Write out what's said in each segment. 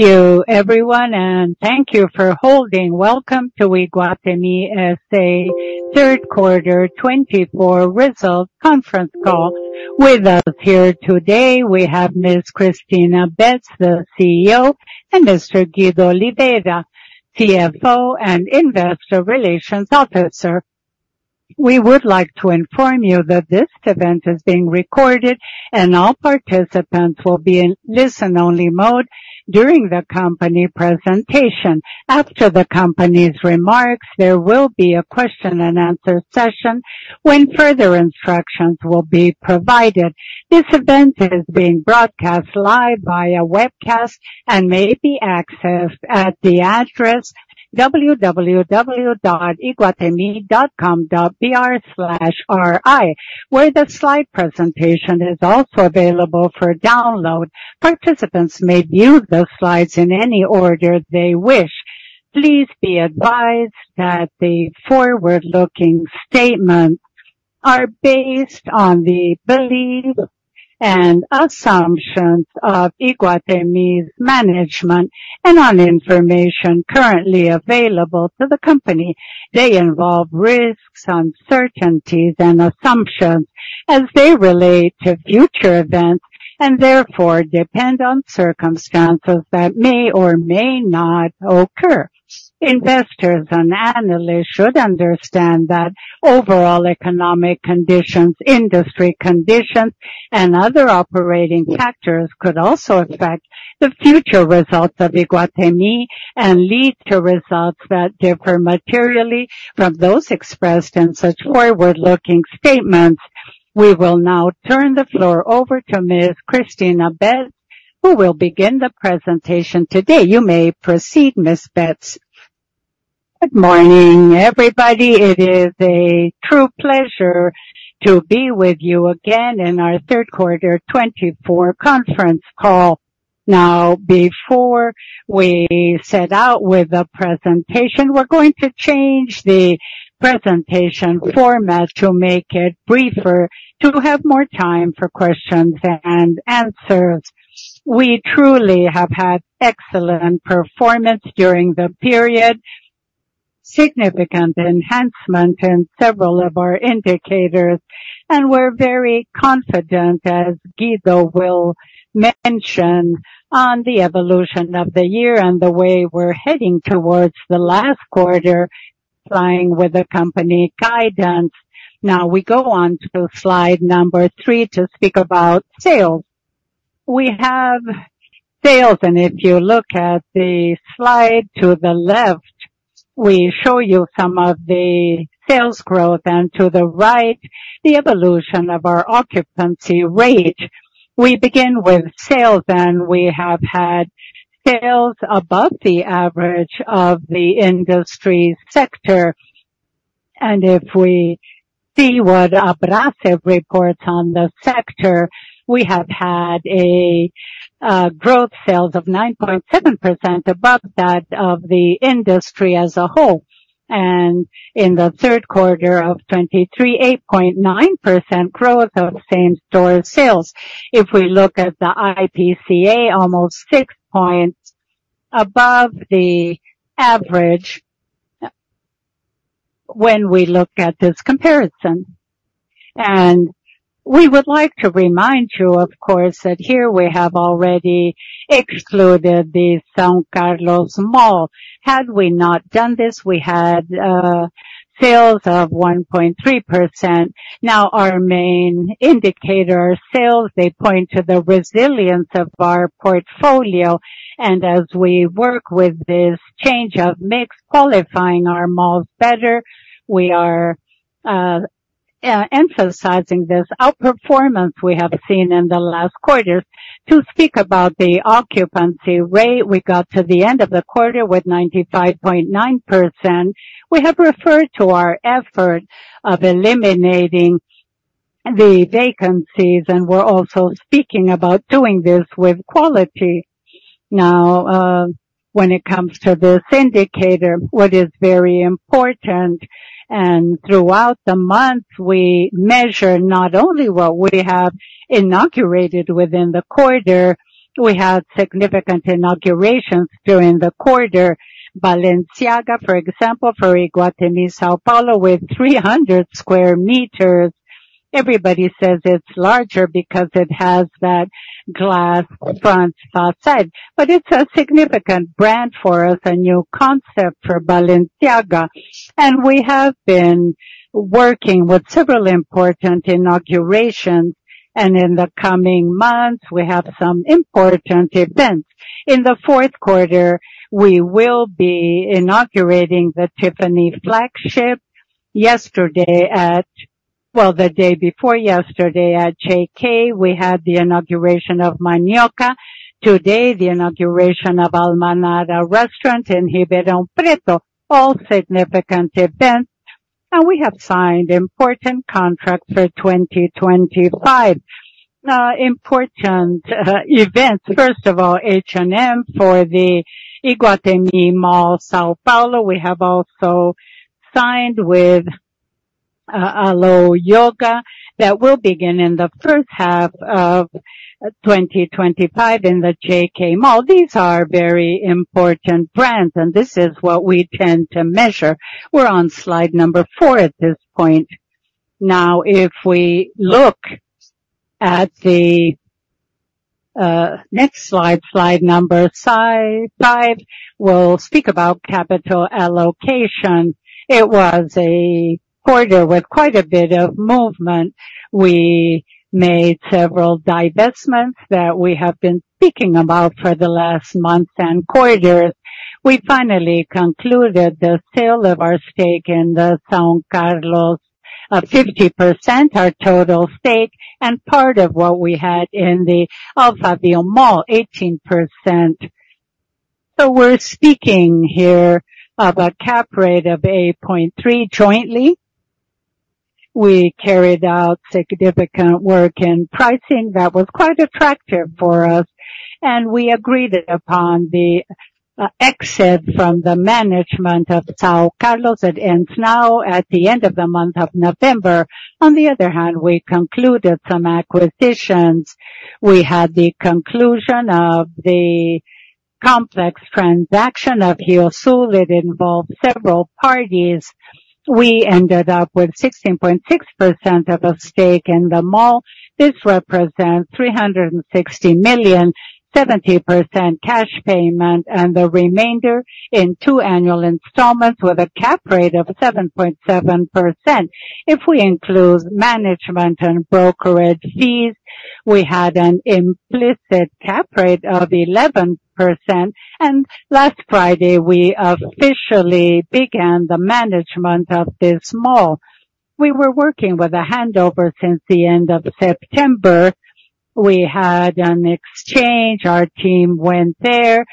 Thank you, everyone, and thank you for holding. Welcome to Iguatemi S.A. Third Quarter 2024 Results Conference Call. With us here today, we have Ms. Cristina Betts, the CEO, and Mr. Guido Oliveira, CFO and Investor Relations Officer. We would like to inform you that this event is being recorded, and all participants will be in listen-only mode during the company presentation. After the company's remarks, there will be a question-and-answer session when further instructions will be provided. This event is being broadcast live via webcast and may be accessed at the address www.iguatemi.com.br/ri, where the slide presentation is also available for download. Participants may view the slides in any order they wish. Please be advised that the forward-looking statements are based on the beliefs and assumptions of Iguatemi's management and on information currently available to the company. They involve risks, uncertainties, and assumptions as they relate to future events and therefore depend on circumstances that may or may not occur. Investors and analysts should understand that overall economic conditions, industry conditions, and other operating factors could also affect the future results of Iguatemi and lead to results that differ materially from those expressed in such forward-looking statements. We will now turn the floor over to Ms. Cristina Betts, who will begin the presentation today. You may proceed, Ms. Betts. Good morning, everybody. It is a true pleasure to be with you again in our Third Quarter 2024 Conference Call. Now, before we set out with the presentation, we're going to change the presentation format to make it briefer to have more time for questions and answers. We truly have had excellent performance during the period, significant enhancement in several of our indicators, and we're very confident, as Guido will mention, on the evolution of the year and the way we're heading towards the last quarter flying with the company guidance. Now, we go on to slide number three to speak about sales. We have sales, and if you look at the slide to the left, we show you some of the sales growth, and to the right, the evolution of our occupancy rate. We begin with sales, and we have had sales above the average of the industry sector. If we see what Abrasce reports on the sector, we have had a sales growth of 9.7% above that of the industry as a whole, and in the third quarter of 2023, 8.9% growth of same-store sales. If we look at the IPCA, almost 6 points above the average when we look at this comparison, and we would like to remind you, of course, that here we have already excluded the São Carlos mall. Had we not done this, we had sales of 1.3%. Now, our main indicator sales, they point to the resilience of our portfolio, and as we work with this change of mix, qualifying our malls better, we are emphasizing this outperformance we have seen in the last quarters. To speak about the occupancy rate, we got to the end of the quarter with 95.9%. We have referred to our effort of eliminating the vacancies, and we're also speaking about doing this with quality. Now, when it comes to this indicator, what is very important, and throughout the month, we measure not only what we have inaugurated within the quarter. We had significant inaugurations during the quarter. Balenciaga, for example, for Iguatemi São Paulo with 300 sqm. Everybody says it's larger because it has that glass front facade, but it's a significant brand for us, a new concept for Balenciaga, and we have been working with several important inaugurations, and in the coming months, we have some important events. In the fourth quarter, we will be inaugurating the Tiffany flagship. Yesterday, at, well, the day before yesterday at JK, we had the inauguration of Manioca. Today, the inauguration of Almanara Restaurant in Ribeirão Preto. All significant events, and we have signed important contracts for 2025. Important events, first of all, H&M for the Iguatemi São Paulo. We have also signed with Alo Yoga that will begin in the first half of 2025 in the JK Mall. These are very important brands, and this is what we tend to measure. We're on slide number four at this point. Now, if we look at the next slide, slide number five, we'll speak about capital allocation. It was a quarter with quite a bit of movement. We made several divestments that we have been speaking about for the last months and quarters. We finally concluded the sale of our stake in the São Carlos, 50%, our total stake, and part of what we had in the Shopping Alphaville, 18%. So we're speaking here of a cap rate of 8.3% jointly. We carried out significant work in pricing that was quite attractive for us, and we agreed upon the exit from the management of São Carlos that ends now at the end of the month of November. On the other hand, we concluded some acquisitions. We had the conclusion of the complex transaction of RioSul. It involved several parties. We ended up with 16.6% of a stake in the mall. This represents R$ 360 million, 70% cash payment, and the remainder in two annual installments with a cap rate of 7.7%. If we include management and brokerage fees, we had an implicit cap rate of 11%. Last Friday, we officially began the management of this mall. We were working with a handover since the end of September. We had an exchange. Our team went there.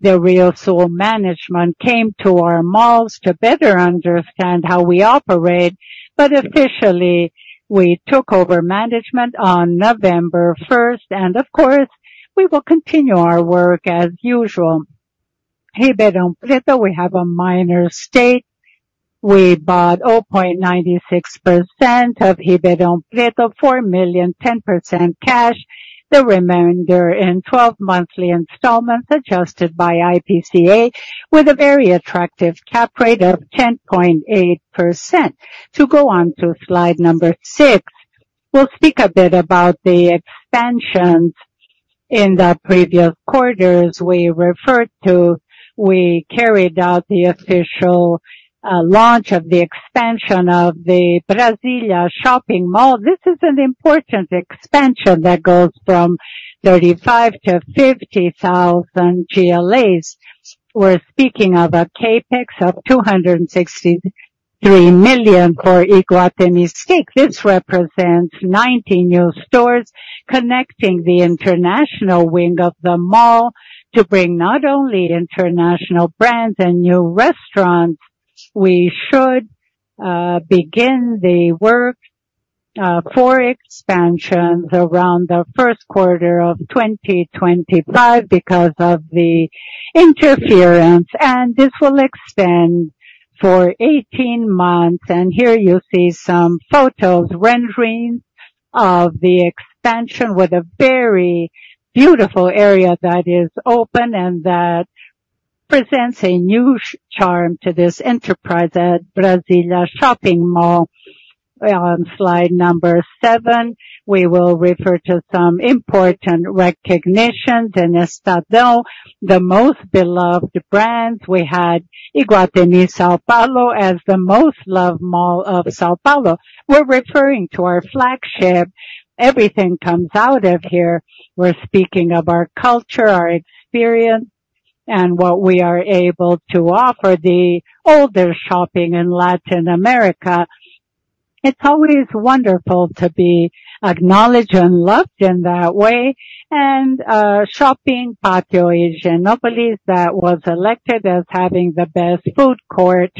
The RioSul management came to our malls to better understand how we operate, but officially we took over management on November 1st. Of course, we will continue our work as usual. Ribeirão Preto, we have a minor stake. We bought 0.96% of Ribeirão Preto, R$ 4 million, 10% cash. The remainder in 12 monthly installments adjusted by IPCA with a very attractive cap rate of 10.8%. To go on to slide number six, we'll speak a bit about the expansions in the previous quarters we referred to. We carried out the official launch of the expansion of the Brasília Shopping. This is an important expansion that goes from 35,000 to 50,000 GLAs. We're speaking of a capex of R$263 million for Iguatemi's stake. This represents 90 new stores connecting the international wing of the mall to bring not only international brands and new restaurants. We should begin the work for expansions around the first quarter of 2025 because of the interference, and this will extend for 18 months. Here you see some photos, renderings of the expansion with a very beautiful area that is open and that presents a new charm to this enterprise at Brasília Shopping. On slide number seven, we will refer to some important recognitions. In Estadão, the most beloved brands, we had Iguatemi São Paulo as the most loved mall of São Paulo. We're referring to our flagship. Everything comes out of here. We're speaking of our culture, our experience, and what we are able to offer the older shopping in Latin America. It's always wonderful to be acknowledged and loved in that way. Shopping Pátio Higienópolis was elected as having the best food court.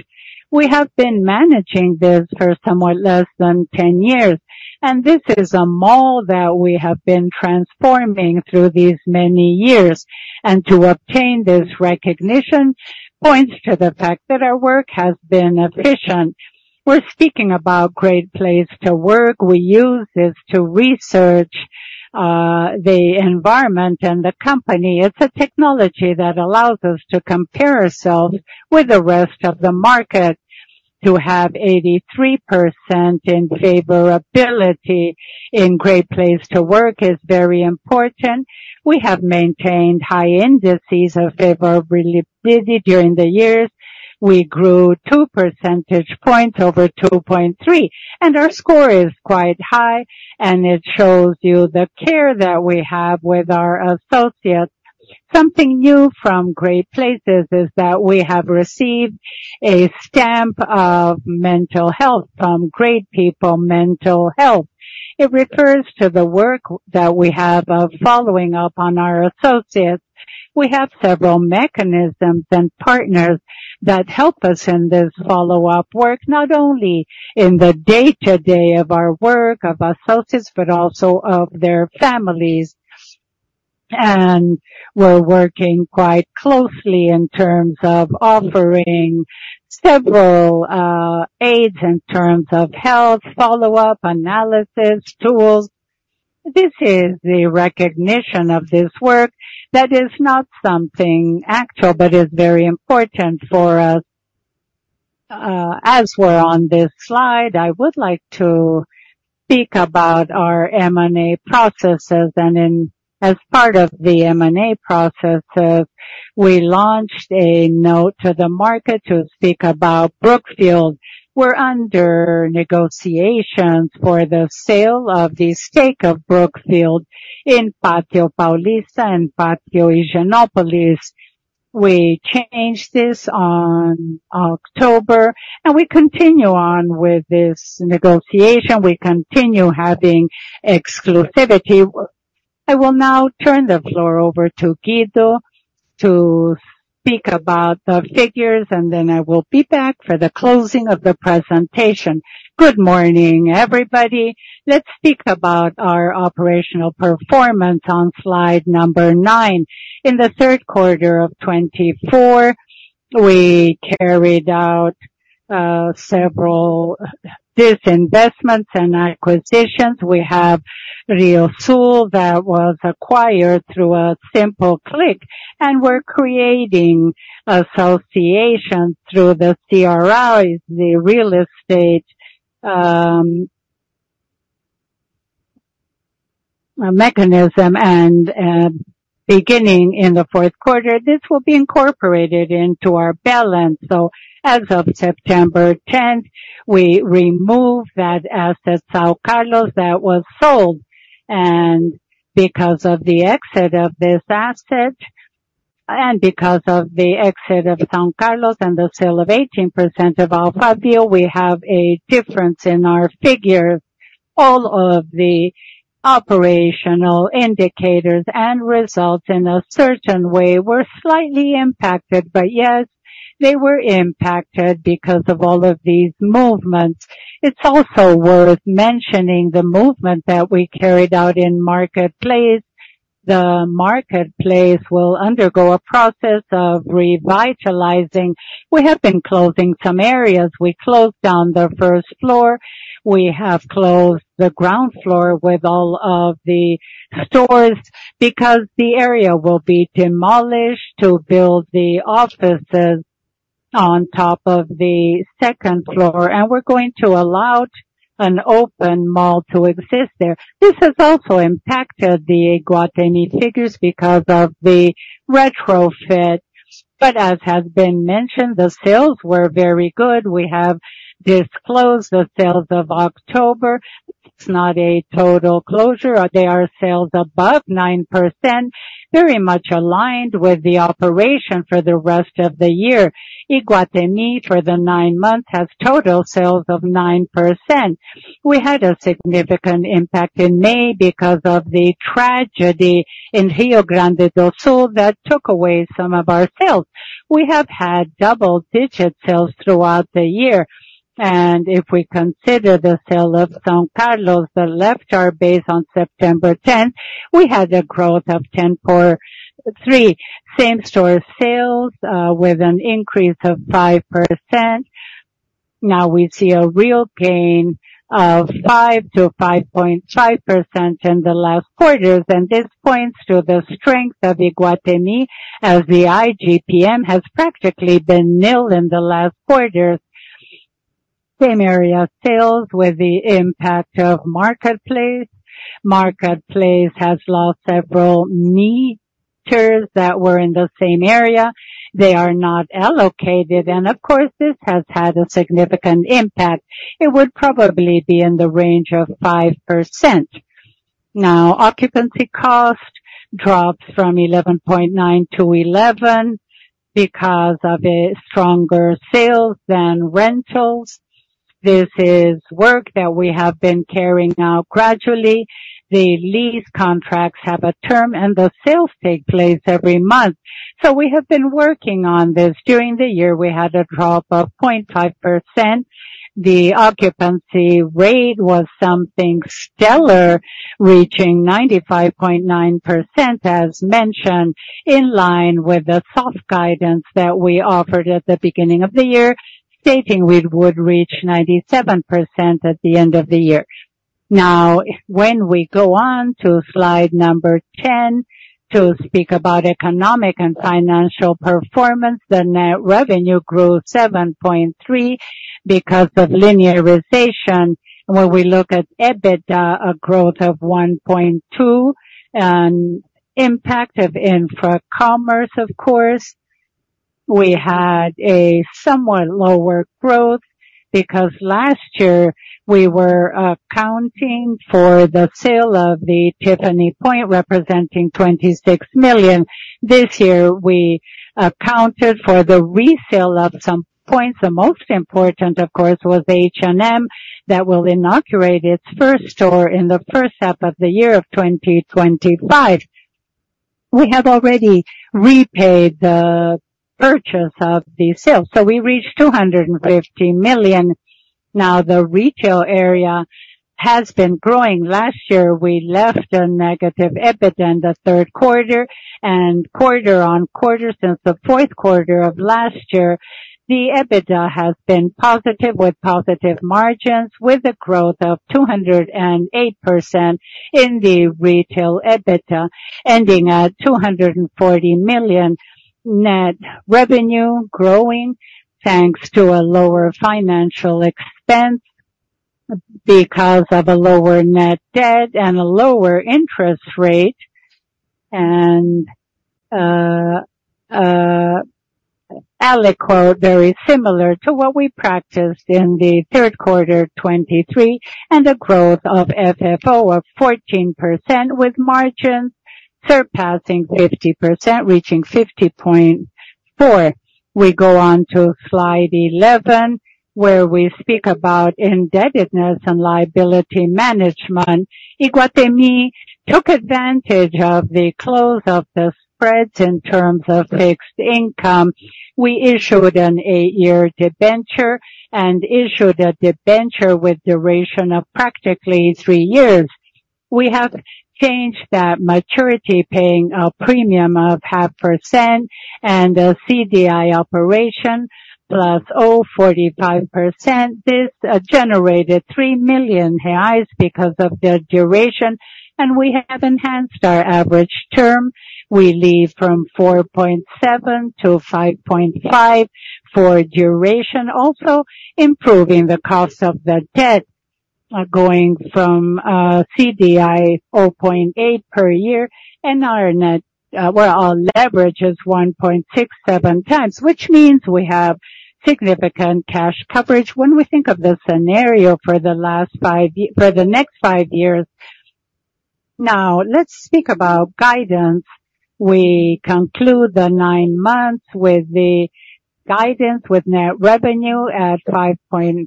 We have been managing this for somewhat less than 10 years, and this is a mall that we have been transforming through these many years. To obtain this recognition points to the fact that our work has been efficient. We're speaking about Great Place to Work. We use this to research the environment and the company. It's a technology that allows us to compare ourselves with the rest of the market. To have 83% in favorability in Great Place to Work is very important. We have maintained high indices of favorability during the years. We grew 2 percentage points over 2.3, and our score is quite high, and it shows you the care that we have with our associates. Something new from Great Place to Work is that we have received a stamp of mental health from Great People Mental Health. It refers to the work that we have of following up on our associates. We have several mechanisms and partners that help us in this follow-up work, not only in the day-to-day of our work, of associates, but also of their families. And we're working quite closely in terms of offering several aids in terms of health follow-up analysis tools. This is the recognition of this work that is not something actual, but is very important for us. As we're on this slide, I would like to speak about our M&A processes. And as part of the M&A processes, we launched a note to the market to speak about Brookfield. We're under negotiations for the sale to Brookfield of the stake in Pátio Paulista and Pátio Higienópolis. We announced this on October, and we continue on with this negotiation. We continue having exclusivity. I will now turn the floor over to Guido to speak about the figures, and then I will be back for the closing of the presentation. Good morning, everybody. Let's speak about our operational performance on slide number nine. In the third quarter of 2024, we carried out several disinvestments and acquisitions. We have RioSul that was acquired through a simple click, and we're creating associations through the CRI, the real estate mechanism, and beginning in the fourth quarter, this will be incorporated into our balance. So as of September 10th, we removed that asset, São Carlos, that was sold. And because of the exit of this asset and because of the exit of São Carlos and the sale of 18% of Alphaville, we have a difference in our figures. All of the operational indicators and results in a certain way were slightly impacted, but yes, they were impacted because of all of these movements. It's also worth mentioning the movement that we carried out in Market Place. The Market Place will undergo a process of revitalizing. We have been closing some areas. We closed down the first floor. We have closed the ground floor with all of the stores because the area will be demolished to build the offices on top of the second floor, and we're going to allow an open mall to exist there. This has also impacted the Iguatemi figures because of the retrofit. But as has been mentioned, the sales were very good. We have disclosed the sales of October. It's not a total closure. They are sales above 9%, very much aligned with the operation for the rest of the year. Iguatemi, for the nine months, has total sales of 9%. We had a significant impact in May because of the tragedy in Rio Grande do Sul that took away some of our sales. We have had double-digit sales throughout the year. And if we consider the sale of São Carlos, that left our base on September 10th, we had a growth of 10.3%. Same-store sales with an increase of 5%. Now we see a real gain of 5%-5.5% in the last quarters. And this points to the strength of Iguatemi as the IGP-M has practically been nil in the last quarters. Same area sales with the impact of marketplace. Marketplace has lost several meters that were in the same area. They are not allocated. And of course, this has had a significant impact. It would probably be in the range of 5%. Now, occupancy cost drops from 11.9% to 11% because of stronger sales than rentals. This is work that we have been carrying out gradually. The lease contracts have a term, and the sales take place every month. So we have been working on this. During the year, we had a drop of 0.5%. The occupancy rate was something stellar, reaching 95.9%, as mentioned, in line with the soft guidance that we offered at the beginning of the year, stating we would reach 97% at the end of the year. Now, when we go on to slide number 10 to speak about economic and financial performance, the net revenue grew 7.3% because of linearization, and when we look at EBITDA, a growth of 1.2% and impact of Infracommerce, of course. We had a somewhat lower growth because last year we were accounting for the sale of the Tiffany Point, representing R$ 26 million. This year we accounted for the resale of some points. The most important, of course, was H&M that will inaugurate its first store in the first half of the year of 2025. We have already repaid the purchase of the sale. So we reached R$ 250 million. Now the retail area has been growing. Last year we left a negative EBITDA in the third quarter and quarter on quarter since the fourth quarter of last year. The EBITDA has been positive with positive margins with a growth of 208% in the retail EBITDA, ending at R$ 240 million net revenue, growing thanks to a lower financial expense because of a lower net debt and a lower interest rate and aliquot very similar to what we practiced in the third quarter of 2023 and a growth of FFO of 14% with margins surpassing 50%, reaching 50.4%. We go on to slide 11 where we speak about indebtedness and liability management. Iguatemi took advantage of the close of the spreads in terms of fixed income. We issued an eight-year debenture and issued a debenture with duration of practically three years. We have changed that maturity, paying a premium of 0.5% and a CDI operation plus 0.45%. This generated R$ 3 million savings because of the duration, and we have enhanced our average term. We leave from 4.7 to 5.5 for duration, also improving the cost of the debt, going from CDI 0.8 per year, and our net leverage is 1.67 times, which means we have significant cash coverage when we think of the scenario for the next five years. Now, let's speak about guidance. We conclude the nine months with the guidance with net revenue at 5.7.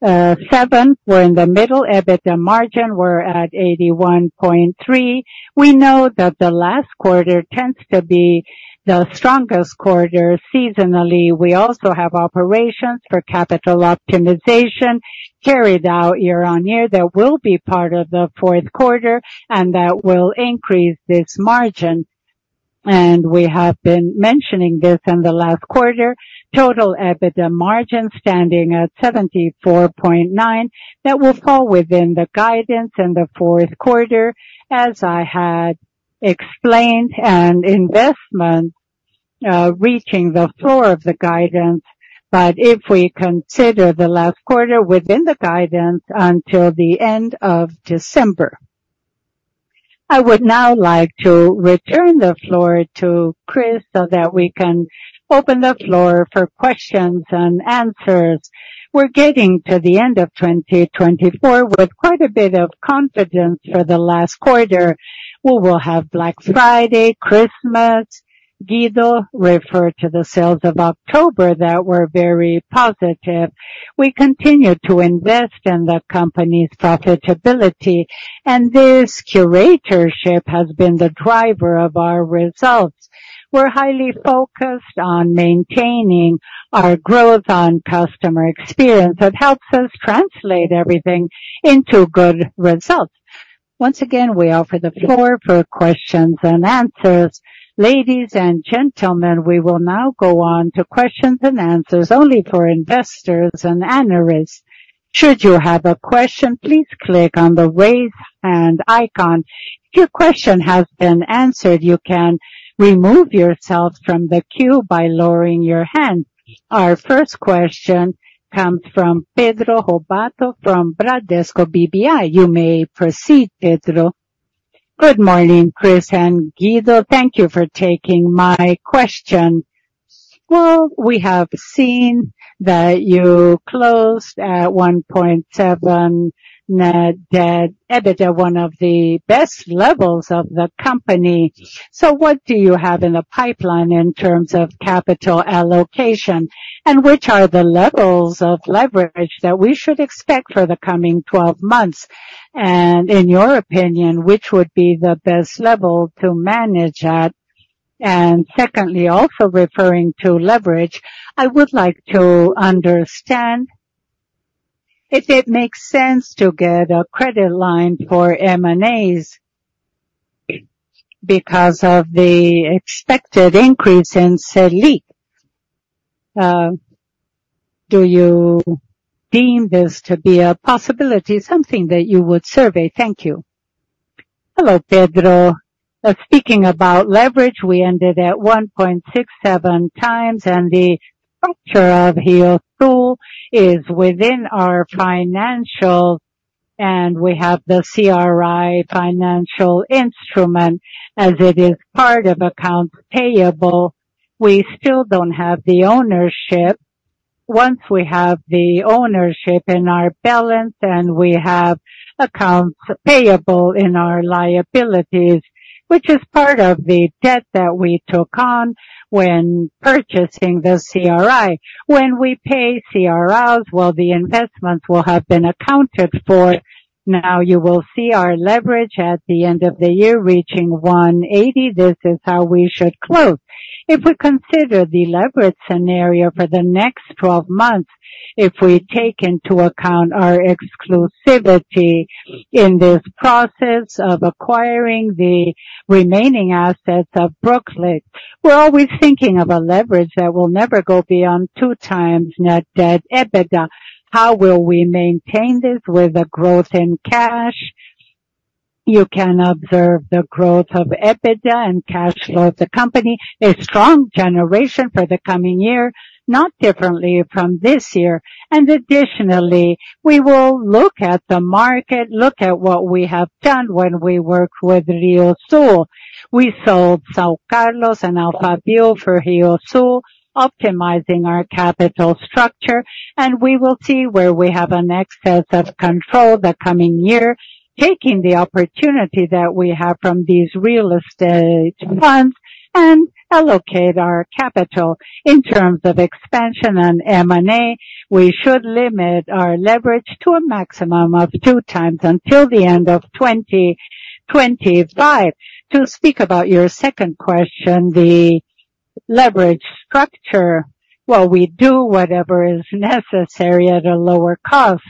We're in the middle EBITDA margin. We're at 81.3. We know that the last quarter tends to be the strongest quarter seasonally. We also have operations for capital optimization carried out year on year that will be part of the fourth quarter and that will increase this margin, and we have been mentioning this in the last quarter, total EBITDA margin standing at 74.9 that will fall within the guidance in the fourth quarter, as I had explained, and investment reaching the floor of the guidance. But if we consider the last quarter within the guidance until the end of December, I would now like to return the floor to Cristina so that we can open the floor for questions and answers. We're getting to the end of 2024 with quite a bit of confidence for the last quarter. We will have Black Friday, Christmas. Guido referred to the sales of October that were very positive. We continue to invest in the company's profitability, and this curatorship has been the driver of our results. We're highly focused on maintaining our growth on customer experience. It helps us translate everything into good results. Once again, we offer the floor for questions and answers. Ladies and gentlemen, we will now go on to questions and answers only for investors and analysts. Should you have a question, please click on the raise hand icon. If your question has been answered, you can remove yourself from the queue by lowering your hand. Our first question comes from Pedro Lobato from Bradesco BBI. You may proceed, Pedro. Good morning, Chris and Guido. Thank you for taking my question. We have seen that you closed at 1.7 net debt, EBITDA one of the best levels of the company. So what do you have in the pipeline in terms of capital allocation and which are the levels of leverage that we should expect for the coming 12 months? And in your opinion, which would be the best level to manage at? And secondly, also referring to leverage, I would like to understand if it makes sense to get a credit line for M&As because of the expected increase in Selic. Do you deem this to be a possibility, something that you would survey? Thank you. Hello, Pedro. Speaking about leverage, we ended at 1.67 times, and the structure of RioSul is within our financial, and we have the CRI financial instrument as it is part of accounts payable. We still don't have the ownership. Once we have the ownership in our balance and we have accounts payable in our liabilities, which is part of the debt that we took on when purchasing the CRI. When we pay CRIs, well, the investments will have been accounted for. Now you will see our leverage at the end of the year reaching 180. This is how we should close. If we consider the leverage scenario for the next 12 months, if we take into account our exclusivity in this process of acquiring the remaining assets of Brookfield, we're always thinking of a leverage that will never go beyond two times Net Debt/EBITDA. How will we maintain this with a growth in cash? You can observe the growth of EBITDA and cash flow of the company. A strong generation for the coming year, not differently from this year. Additionally, we will look at the market, look at what we have done when we worked with RioSul. We sold São Carlos and Alphaville for RioSul, optimizing our capital structure, and we will see where we have an excess of control the coming year, taking the opportunity that we have from these real estate funds and allocate our capital. In terms of expansion and M&A, we should limit our leverage to a maximum of two times until the end of 2025. To speak about your second question, the leverage structure. Well, we do whatever is necessary at a lower cost.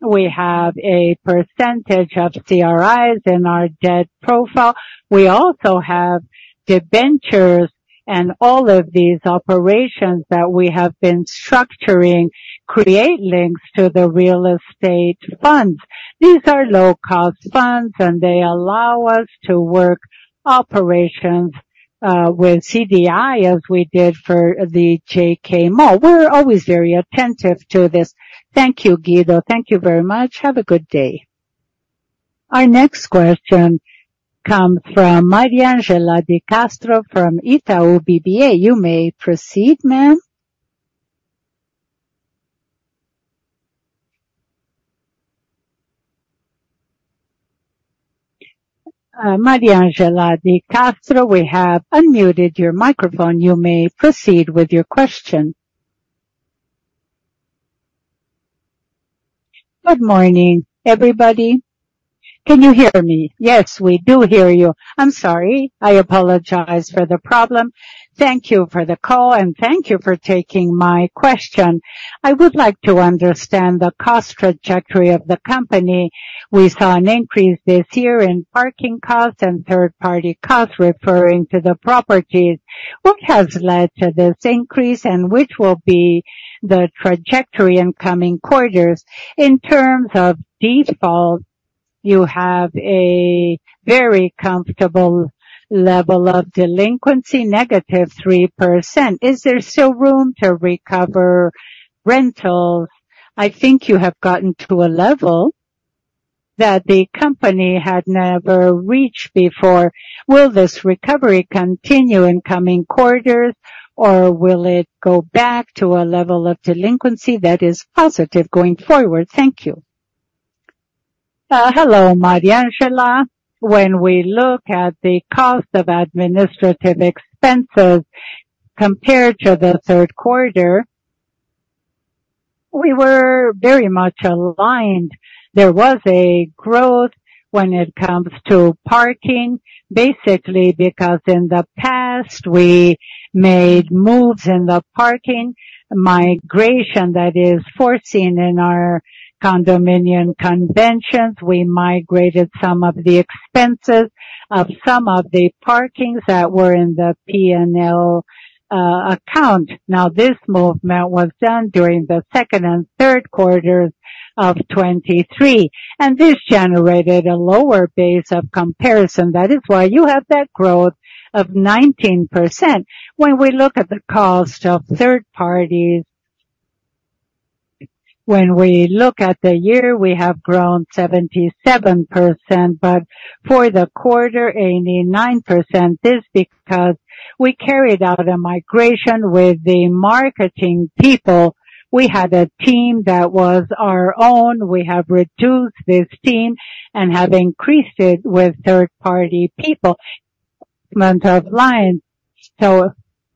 We have a percentage of CRIs in our debt profile. We also have debentures, and all of these operations that we have been structuring create links to the real estate funds. These are low-cost funds, and they allow us to work operations with CDI as we did for the JK Mall. We're always very attentive to this. Thank you, Guido. Thank you very much. Have a good day. Our next question comes from Mariangela de Castro from Itaú BBA. You may proceed, ma'am. Maria Angela de Castro, we have unmuted your microphone. You may proceed with your question. Good morning, everybody. Can you hear me? Yes, we do hear you. I'm sorry. I apologize for the problem. Thank you for the call, and thank you for taking my question. I would like to understand the cost trajectory of the company. We saw an increase this year in parking costs and third-party costs referring to the properties. What has led to this increase, and which will be the trajectory in coming quarters? In terms of default, you have a very comfortable level of delinquency, negative 3%. Is there still room to recover rentals? I think you have gotten to a level that the company had never reached before. Will this recovery continue in coming quarters, or will it go back to a level of delinquency that is positive going forward? Thank you. Hello, Maria Angela. When we look at the cost of administrative expenses compared to the third quarter, we were very much aligned. There was a growth when it comes to parking, basically because in the past we made moves in the parking migration that is foreseen in our condominium conventions. We migrated some of the expenses of some of the parkings that were in the P&L account. Now, this movement was done during the second and third quarters of 2023, and this generated a lower base of comparison. That is why you have that growth of 19%. When we look at the cost of third parties, when we look at the year, we have grown 77%, but for the quarter, 89%. This is because we carried out a migration with the marketing people. We had a team that was our own. We have reduced this team and have increased it with third-party people, management of lines. So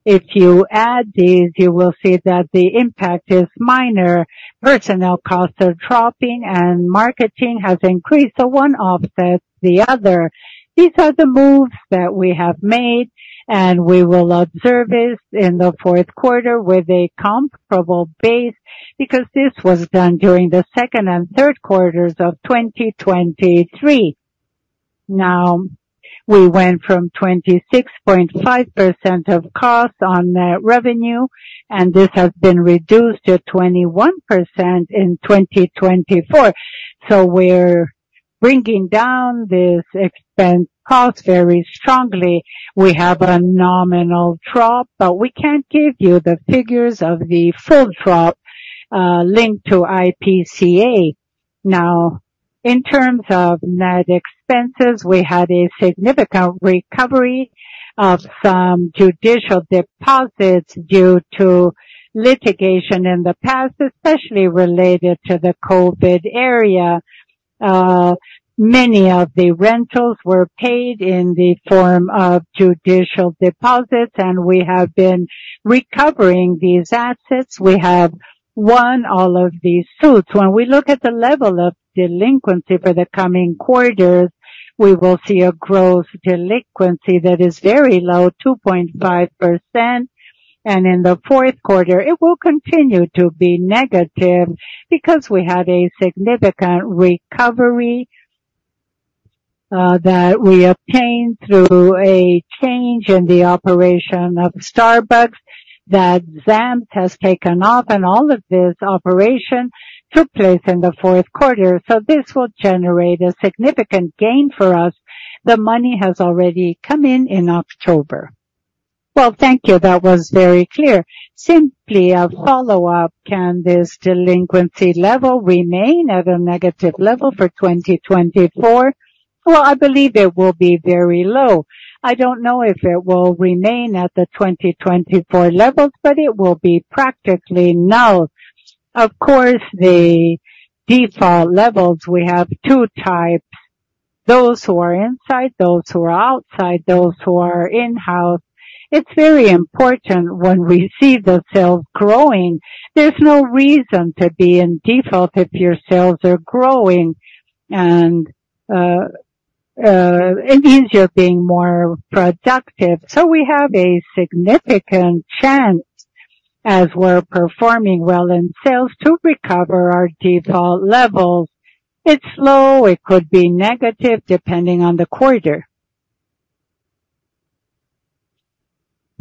if you add these, you will see that the impact is minor. Personnel costs are dropping, and marketing has increased. So one offsets the other. These are the moves that we have made, and we will observe this in the fourth quarter with a comparable base because this was done during the second and third quarters of 2023. Now, we went from 26.5% of cost on net revenue, and this has been reduced to 21% in 2024, so we're bringing down this expense cost very strongly. We have a nominal drop, but we can't give you the figures of the full drop linked to IPCA. Now, in terms of net expenses, we had a significant recovery of some judicial deposits due to litigation in the past, especially related to the COVID area. Many of the rentals were paid in the form of judicial deposits, and we have been recovering these assets. We have won all of these suits. When we look at the level of delinquency for the coming quarters, we will see a growth delinquency that is very low, 2.5%. In the fourth quarter, it will continue to be negative because we had a significant recovery that we obtained through a change in the operation of Starbucks that Zamp has taken off, and all of this operation took place in the fourth quarter. So this will generate a significant gain for us. The money has already come in in October. Thank you. That was very clear. Simply a follow-up: Can this delinquency level remain at a negative level for 2024? I believe it will be very low. I don't know if it will remain at the 2024 levels, but it will be practically null. Of course, the default levels, we have two types: those who are inside, those who are outside, those who are in-house. It's very important when we see the sales growing. There's no reason to be in default if your sales are growing and it means you're being more productive. So we have a significant chance, as we're performing well in sales, to recover our default levels. It's low. It could be negative depending on the quarter.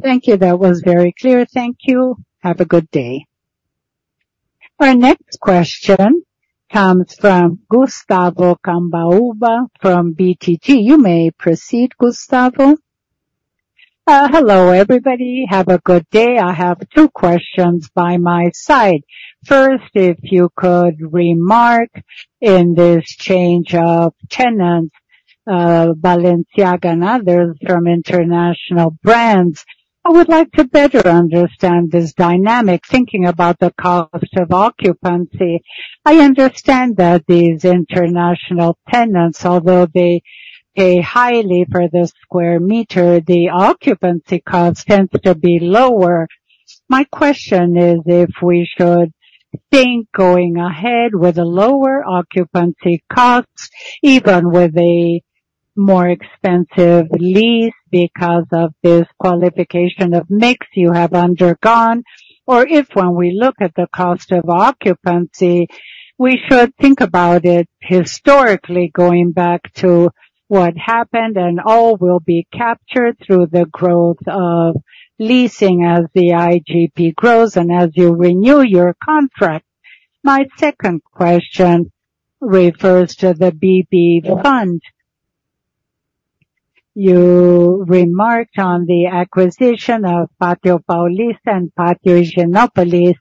Thank you. That was very clear. Thank you. Have a good day. Our next question comes from Gustavo Cambauva from BTG. You may proceed, Gustavo. Hello, everybody. Have a good day. I have two questions by my side. First, if you could remark in this change of tenants, Balenciaga and others from international brands, I would like to better understand this dynamic thinking about the cost of occupancy. I understand that these international tenants, although they pay highly for the square meter, the occupancy cost tends to be lower. My question is if we should think going ahead with a lower occupancy cost, even with a more expensive lease because of this qualification of mix you have undergone, or if when we look at the cost of occupancy, we should think about it historically going back to what happened and all will be captured through the growth of leasing as the IGP grows and as you renew your contract. My second question refers to the BB Fund. You remarked on the acquisition of Pátio Paulista and Pátio Higienópolis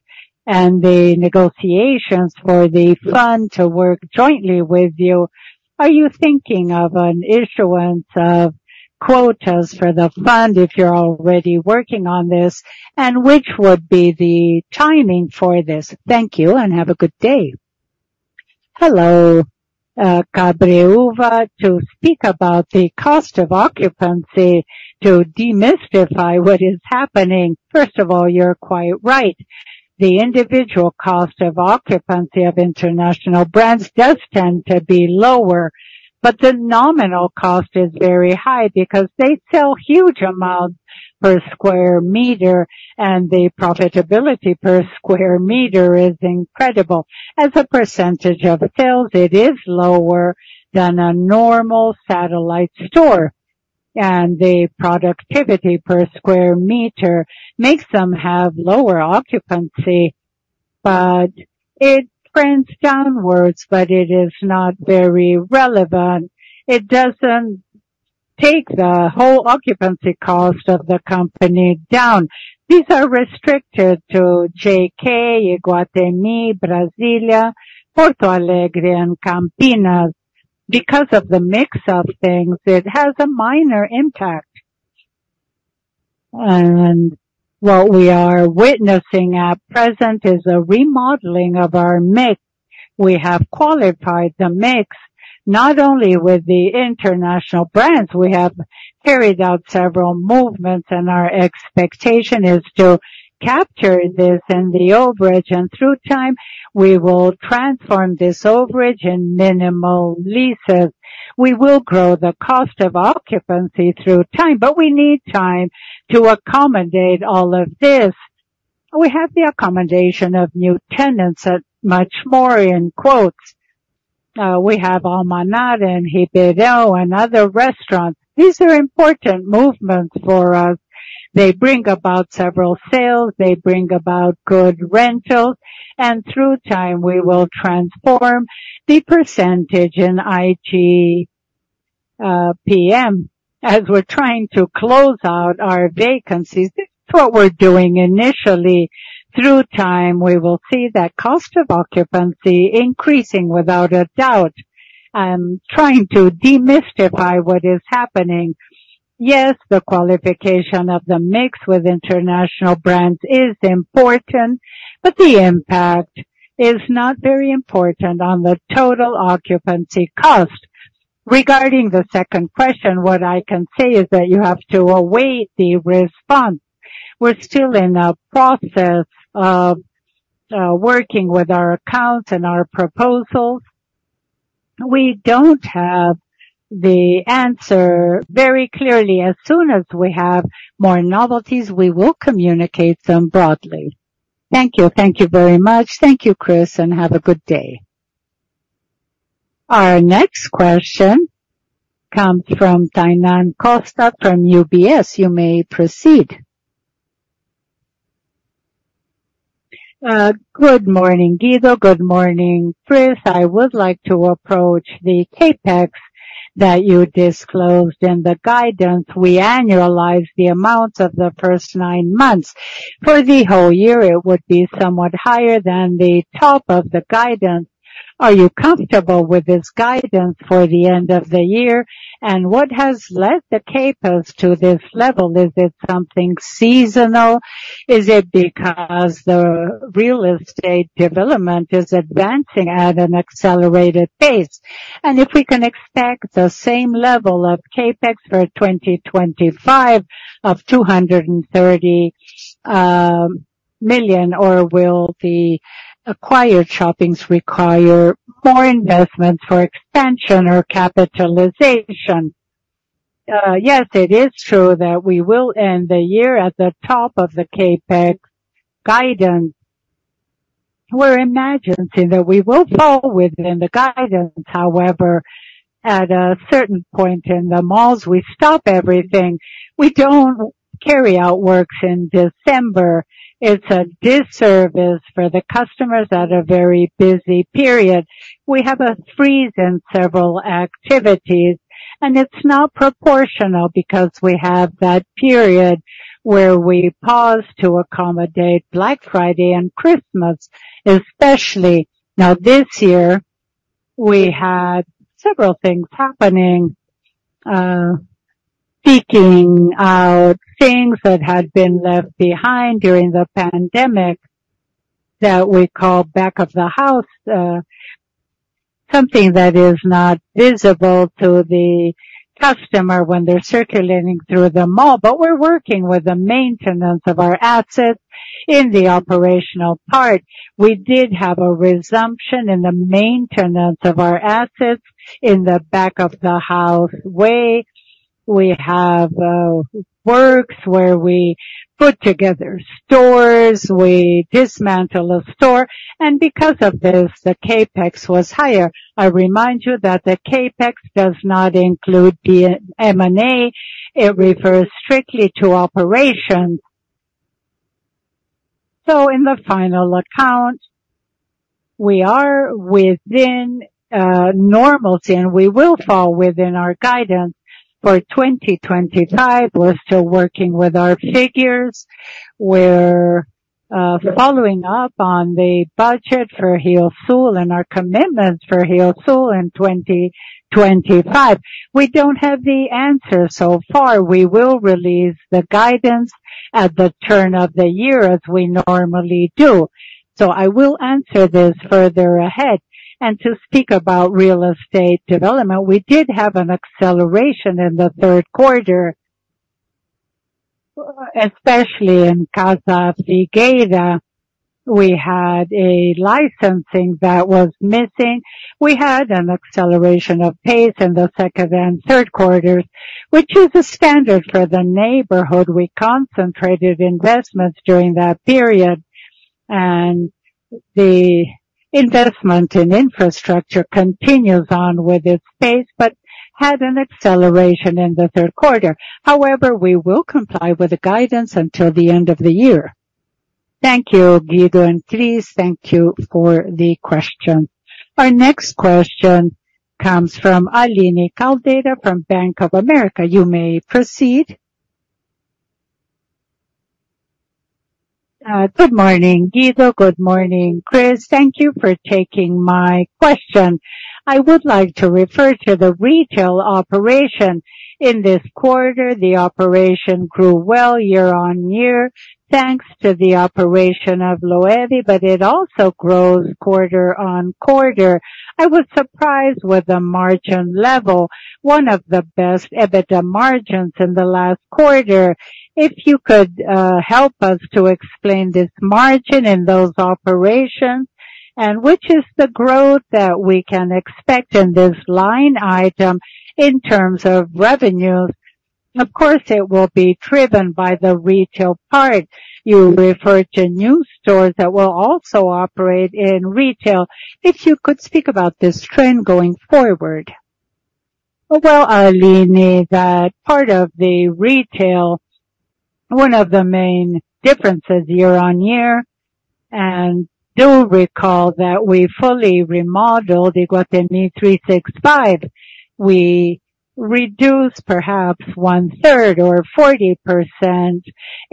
and the negotiations for the fund to work jointly with you. Are you thinking of an issuance of quotas for the fund if you're already working on this, and which would be the timing for this? Thank you and have a good day. Hello, Cambaúva. To speak about the cost of occupancy to demystify what is happening, first of all, you're quite right. The individual cost of occupancy of international brands does tend to be lower, but the nominal cost is very high because they sell huge amounts per square meter, and the profitability per square meter is incredible. As a percentage of sales, it is lower than a normal satellite store, and the productivity per square meter makes them have lower occupancy, but it trends downwards, but it is not very relevant. It doesn't take the whole occupancy cost of the company down. These are restricted to JK, Iguatemi, Brasília, Porto Alegre, and Campinas. Because of the mix of things, it has a minor impact, and what we are witnessing at present is a remodeling of our mix. We have qualified the mix not only with the international brands. We have carried out several movements, and our expectation is to capture this in the overage, and through time, we will transform this overage in minimal leases. We will grow the cost of occupancy through time, but we need time to accommodate all of this. We have the accommodation of new tenants at much more in quotes. We have Almanara, Ribeirão, and other restaurants. These are important movements for us. They bring about several sales. They bring about good rentals, and through time, we will transform the percentage in IGP-M as we're trying to close out our vacancies. This is what we're doing initially. Through time, we will see that cost of occupancy increasing without a doubt. I'm trying to demystify what is happening. Yes, the qualification of the mix with international brands is important, but the impact is not very important on the total occupancy cost. Regarding the second question, what I can say is that you have to await the response. We're still in a process of working with our accounts and our proposals. We don't have the answer very clearly. As soon as we have more novelties, we will communicate them broadly. Thank you. Thank you very much. Thank you, Chris, and have a good day. Our next question comes from Tainan Costa from UBS. You may proceed. Good morning, Guido. Good morning, Chris. I would like to approach the CapEx that you disclosed in the guidance. We annualize the amounts of the first nine months. For the whole year, it would be somewhat higher than the top of the guidance. Are you comfortable with this guidance for the end of the year? And what has led the CapEx to this level? Is it something seasonal? Is it because the real estate development is advancing at an accelerated pace? And if we can expect the same level of CapEx for 2025 of R$ 230 million, or will the acquired shoppings require more investments for expansion or capitalization? Yes, it is true that we will end the year at the top of the CapEx guidance. We're imagining that we will fall within the guidance. However, at a certain point in the malls, we stop everything. We don't carry out works in December. It's a disservice for the customers at a very busy period. We have a freeze in several activities, and it's not proportional because we have that period where we pause to accommodate Black Friday and Christmas, especially. Now, this year, we had several things happening, seeking out things that had been left behind during the pandemic that we call back of the house, something that is not visible to the customer when they're circulating through the mall, but we're working with the maintenance of our assets in the operational part. We did have a resumption in the maintenance of our assets in the back of the house way. We have works where we put together stores. We dismantle a store, and because of this, the CapEx was higher. I remind you that the CapEx does not include the M&A. It refers strictly to operations, so in the final account, we are within normalcy, and we will fall within our guidance for 2025. We're still working with our figures. We're following up on the budget for Hillsul and our commitments for Hillsul in 2025. We don't have the answer so far. We will release the guidance at the turn of the year, as we normally do. So I will answer this further ahead. And to speak about real estate development, we did have an acceleration in the third quarter, especially in Casa Figueira. We had a licensing that was missing. We had an acceleration of pace in the second and third quarters, which is a standard for the neighborhood. We concentrated investments during that period, and the investment in infrastructure continues on with its pace, but had an acceleration in the third quarter. However, we will comply with the guidance until the end of the year. Thank you, Guido, and please thank you for the question. Our next question comes from Aline Caldeira from Bank of America. You may proceed. Good morning, Guido. Good morning, Chris. Thank you for taking my question. I would like to refer to the retail operation in this quarter. The operation grew well year on year, thanks to the operation of Loewe, but it also grows quarter on quarter. I was surprised with the margin level, one of the best EBITDA margins in the last quarter. If you could help us to explain this margin in those operations, and which is the growth that we can expect in this line item in terms of revenues. Of course, it will be driven by the retail part. You referred to new stores that will also operate in retail. If you could speak about this trend going forward. Well, Aline, that part of the retail, one of the main differences year on year, and do recall that we fully remodeled Iguatemi 365. We reduced perhaps one-third or 40%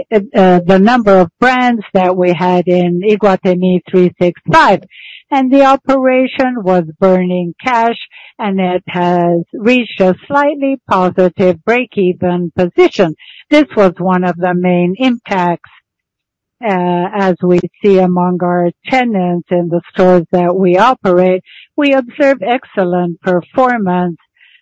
the number of brands that we had in Iguatemi 365. The operation was burning cash, and it has reached a slightly positive break-even position. This was one of the main impacts, as we see among our tenants in the stores that we operate. We observe excellent performance,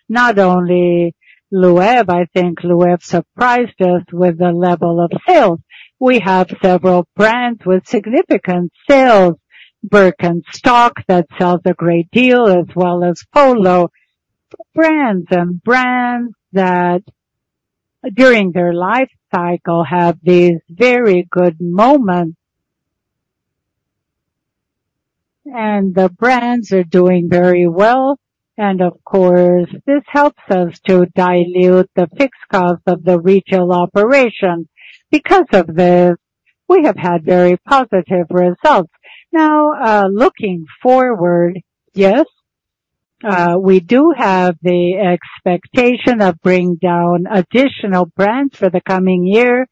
not only Loewe. I think Loewe surprised us with the level of sales. We have several brands with significant sales, Birkenstock that sells a great deal, as well as Polo brands and brands that during their life cycle have these very good moments. And the brands are doing very well. And of course, this helps us to dilute the fixed cost of the retail operation. Because of this, we have had very positive results. Now, looking forward, yes, we do have the expectation of bringing down additional brands for the coming year.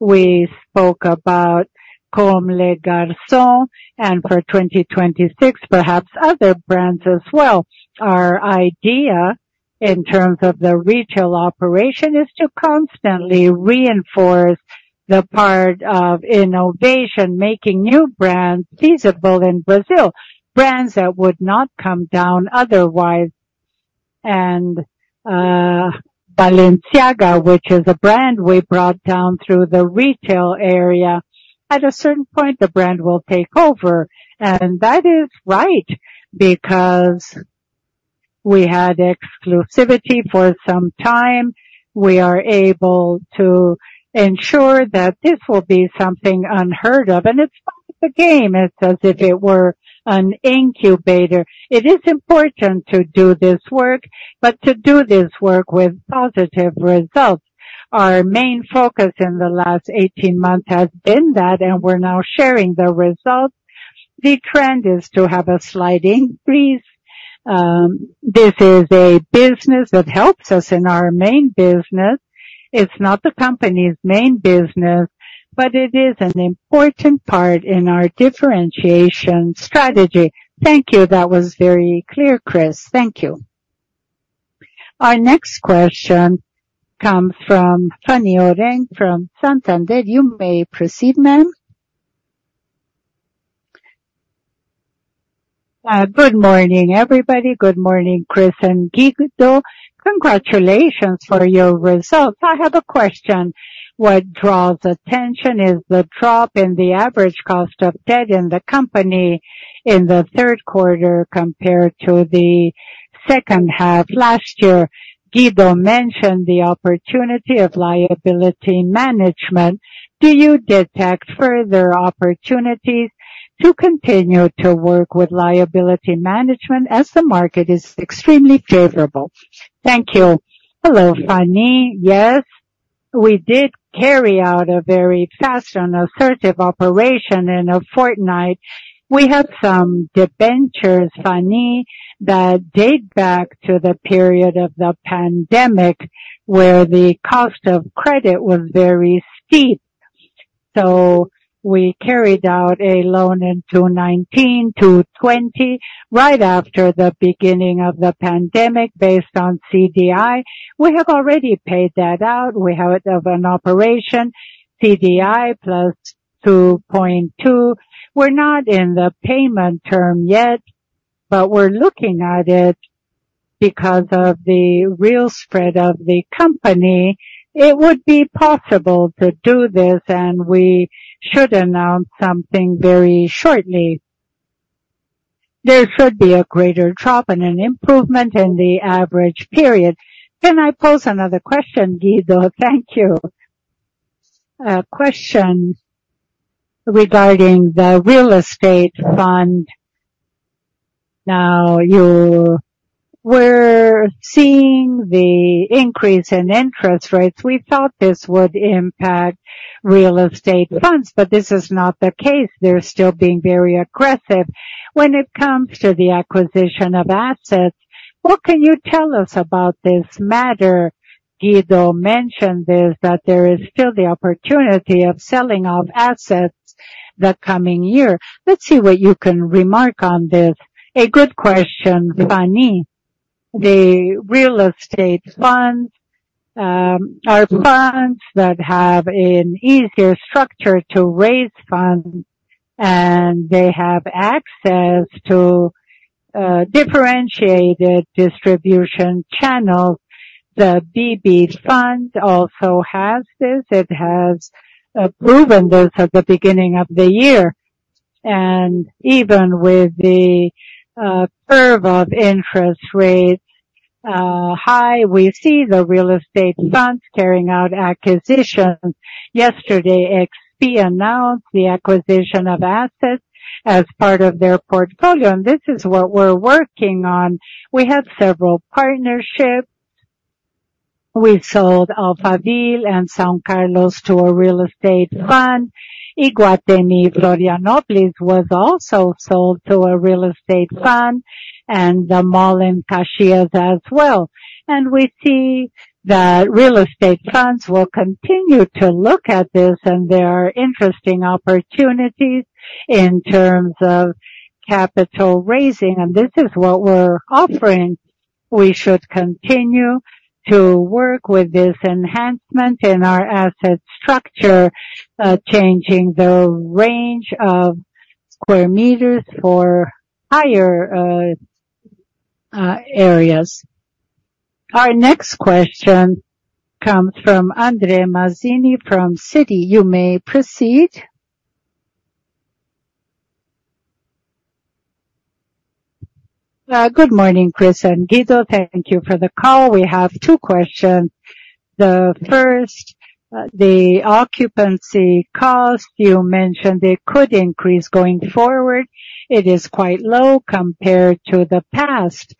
We spoke about Comme des Garçons, and for 2026, perhaps other brands as well. Our idea in terms of the retail operation is to constantly reinforce the part of innovation, making new brands feasible in Brazil, brands that would not come down otherwise. And Balenciaga, which is a brand we brought down through the retail area, at a certain point, the brand will take over. And that is right because we had exclusivity for some time. We are able to ensure that this will be something unheard of, and it's part of the game. It's as if it were an incubator. It is important to do this work, but to do this work with positive results. Our main focus in the last 18 months has been that, and we're now sharing the results. The trend is to have a slight increase. This is a business that helps us in our main business. It's not the company's main business, but it is an important part in our differentiation strategy. Thank you. That was very clear, Chris. Thank you. Our next question comes from Fanny Oreng from Santander. You may proceed, ma'am. Good morning, everybody. Good morning, Chris and Guido. Congratulations for your results. I have a question. What draws attention is the drop in the average cost of debt in the company in the third quarter compared to the second half last year. Guido mentioned the opportunity of liability management. Do you detect further opportunities to continue to work with liability management as the market is extremely favorable? Thank you. Hello, Fanny. Yes, we did carry out a very fast and assertive operation in a fortnight. We had some debentures, Fanny, that date back to the period of the pandemic where the cost of credit was very steep. So we carried out a loan in 2019, 2020, right after the beginning of the pandemic based on CDI. We have already paid that out. We have an operation, CDI plus 2.2. We're not in the payment term yet, but we're looking at it because of the real spread of the company. It would be possible to do this, and we should announce something very shortly. There should be a greater drop and an improvement in the average period. Can I pose another question, Guido? Thank you. A question regarding the real estate fund. Now, we're seeing the increase in interest rates. We thought this would impact real estate funds, but this is not the case. They're still being very aggressive when it comes to the acquisition of assets. What can you tell us about this matter? Guido mentioned this, that there is still the opportunity of selling off assets the coming year. Let's see what you can remark on this. A good question, Fanny. The real estate funds are funds that have an easier structure to raise funds, and they have access to differentiated distribution channels. The BB fund also has this. It has proven this at the beginning of the year. Even with the curve of interest rates high, we see the real estate funds carrying out acquisitions. Yesterday, XP announced the acquisition of assets as part of their portfolio, and this is what we're working on. We had several partnerships. We sold Alphaville and São Carlos to a real estate fund. Iguatemi Florianópolis was also sold to a real estate fund and the mall in Caxias as well. We see that real estate funds will continue to look at this, and there are interesting opportunities in terms of capital raising. This is what we're offering. We should continue to work with this enhancement in our asset structure, changing the range of square meters for higher areas. Our next question comes from André Mazini from Citi. You may proceed. Good morning, Cristina and Guido. Thank you for the call. We have two questions. The first, the occupancy cost, you mentioned it could increase going forward. It is quite low compared to the past.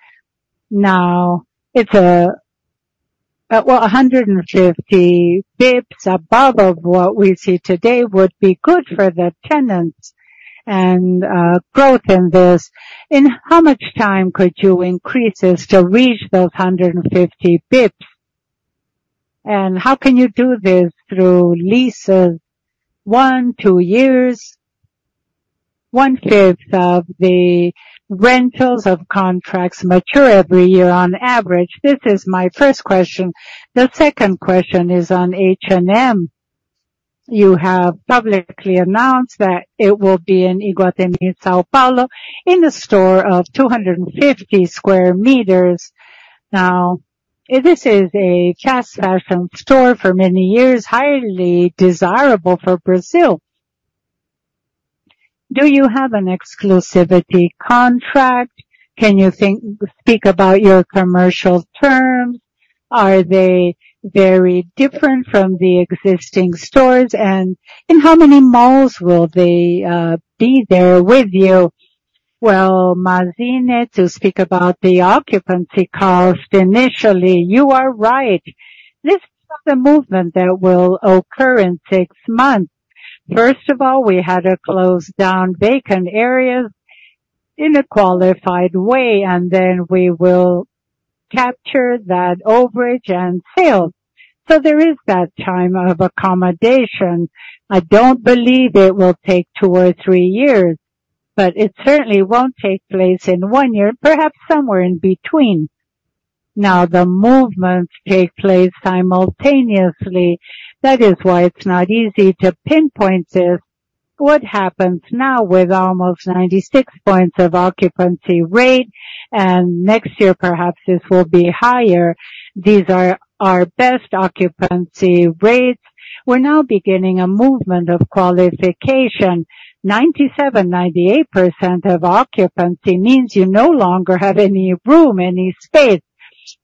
Now, it's well, 150 basis points above of what we see today would be good for the tenants and growth in this. In how much time could you increase this to reach those 150 basis points? And how can you do this through leases? One, two years, one-fifth of the rentals of contracts mature every year on average. This is my first question. The second question is on H&M. You have publicly announced that it will be in Iguatemi São Paulo, in a store of 250 sqm. Now, this is a fast fashion store for many years, highly desirable for Brazil. Do you have an exclusivity contract? Can you speak about your commercial terms? Are they very different from the existing stores? And in how many malls will they be there with you? Well, Mazini, to speak about the occupancy cost, initially, you are right. This is the movement that will occur in six months. First of all, we had a close-down vacant area in a qualified way, and then we will capture that overage and sale. So there is that time of accommodation. I don't believe it will take two or three years, but it certainly won't take place in one year, perhaps somewhere in between. Now, the movements take place simultaneously. That is why it's not easy to pinpoint this. What happens now with almost 96% occupancy rate, and next year, perhaps this will be higher. These are our best occupancy rates. We're now beginning a movement of qualification. 97%-98% occupancy means you no longer have any room, any space.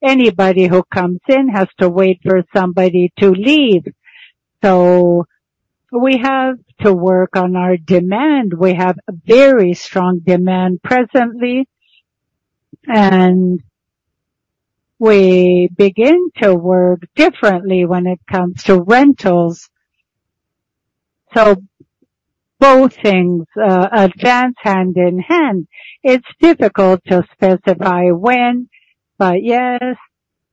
Anybody who comes in has to wait for somebody to leave. So we have to work on our demand. We have a very strong demand presently, and we begin to work differently when it comes to rentals. So both things advance hand in hand. It's difficult to specify when, but yes,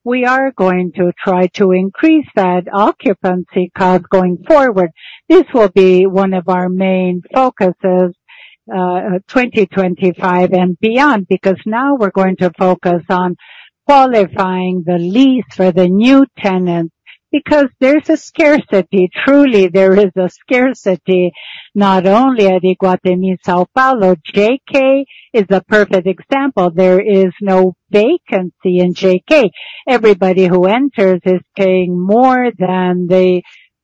we are going to try to increase that occupancy cost going forward. This will be one of our main focuses 2025 and beyond because now we're going to focus on qualifying the lease for the new tenants because there's a scarcity. Truly, there is a scarcity not only at Iguatemi São Paulo. JK is a perfect example. There is no vacancy in JK. Everybody who enters is paying more than the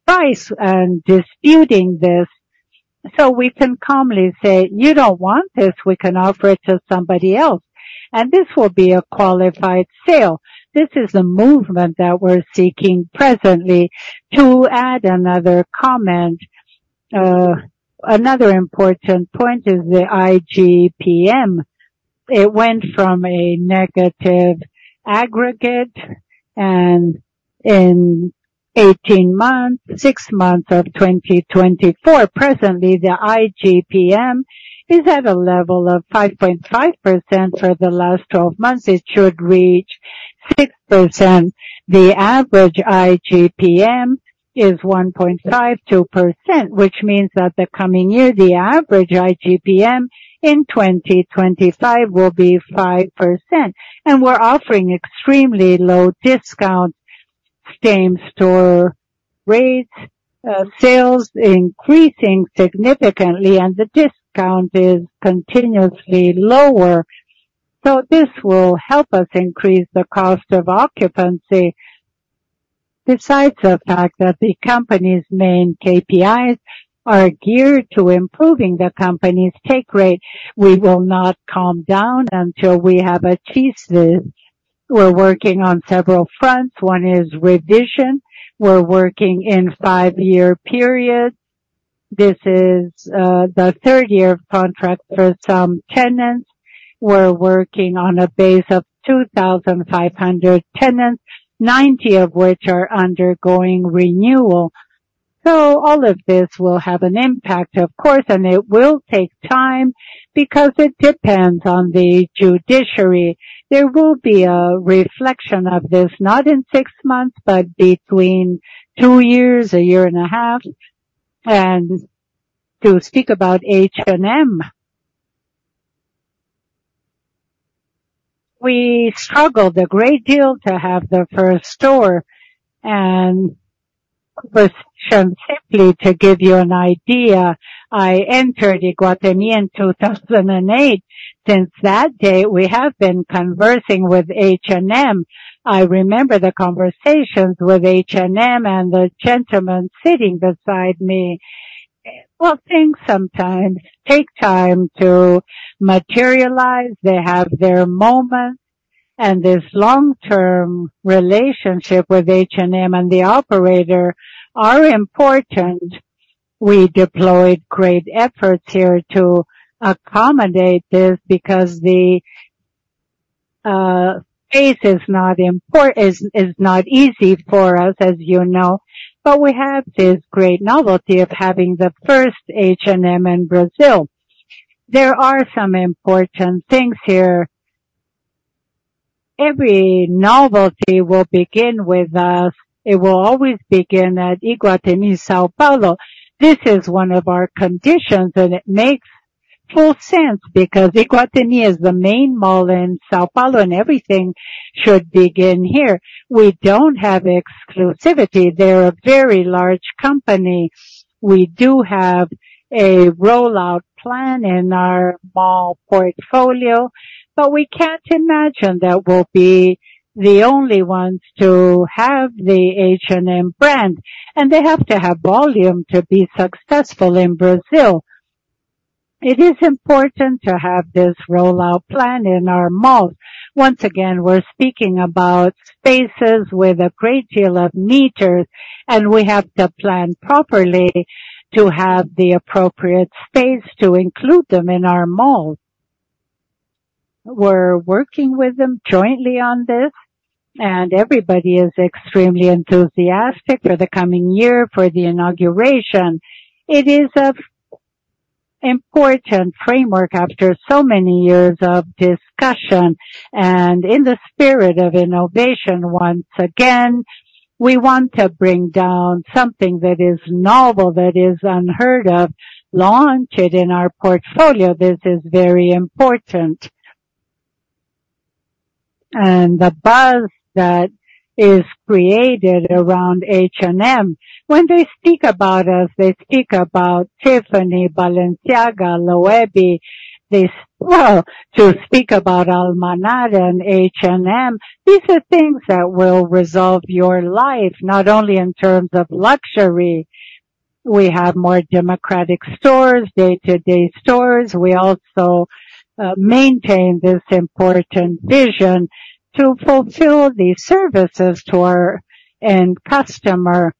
price and disputing this. So we can calmly say, "You don't want this. We can offer it to somebody else." And this will be a qualified sale. This is the movement that we're seeking presently. To add another comment, another important point is the IGP-M. It went from a negative aggregate and in 18 months, six months of 2024, presently, the IGP-M is at a level of 5.5% for the last 12 months. It should reach 6%. The average IGP-M is 1.52%, which means that the coming year, the average IGP-M in 2025 will be 5%, and we're offering extremely low discounts, same store rates, sales increasing significantly, and the discount is continuously lower, so this will help us increase the cost of occupancy. Besides the fact that the company's main KPIs are geared to improving the company's take rate, we will not calm down until we have achieved this. We're working on several fronts. One is revision. We're working in five-year periods. This is the third year of contract for some tenants. We're working on a base of 2,500 tenants, 90 of which are undergoing renewal, so all of this will have an impact, of course, and it will take time because it depends on the judiciary. There will be a reflection of this, not in six months, but between two years, a year and a half. To speak about H&M, we struggled a great deal to have the first store. Question simply to give you an idea, I entered Iguatemi in 2008. Since that day, we have been conversing with H&M. I remember the conversations with H&M and the gentleman sitting beside me. Well, things sometimes take time to materialize. They have their moments. This long-term relationship with H&M and the operator is important. We deployed great efforts here to accommodate this because the space is not easy for us, as you know. We have this great novelty of having the first H&M in Brazil. There are some important things here. Every novelty will begin with us. It will always begin at Iguatemi São Paulo. This is one of our conditions, and it makes full sense because Iguatemi is the main mall in São Paulo, and everything should begin here. We don't have exclusivity. They're a very large company. We do have a rollout plan in our mall portfolio, but we can't imagine that we'll be the only ones to have the H&M brand. And they have to have volume to be successful in Brazil. It is important to have this rollout plan in our malls. Once again, we're speaking about spaces with a great deal of meters, and we have to plan properly to have the appropriate space to include them in our malls. We're working with them jointly on this, and everybody is extremely enthusiastic for the coming year, for the inauguration. It is an important framework after so many years of discussion. In the spirit of innovation, once again, we want to bring down something that is novel, that is unheard of, launched in our portfolio. This is very important. The buzz that is created around H&M, when they speak about us, they speak about Tiffany, Balenciaga, Loewe. To speak about Almanara and H&M, these are things that will resolve your life, not only in terms of luxury. We have more democratic stores, day-to-day stores. We also maintain this important vision to fulfill the services to our end customer.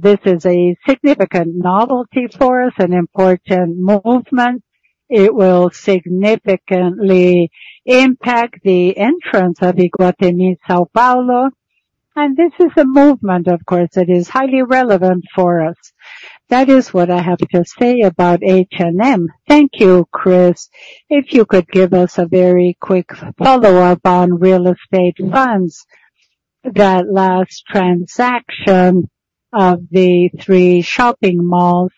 This is a significant novelty for us, an important movement. It will significantly impact the entrance of Iguatemi São Paulo. This is a movement, of course, that is highly relevant for us. That is what I have to say about H&M. Thank you, Chris. If you could give us a very quick follow-up on real estate funds, that last transaction of the three shopping malls,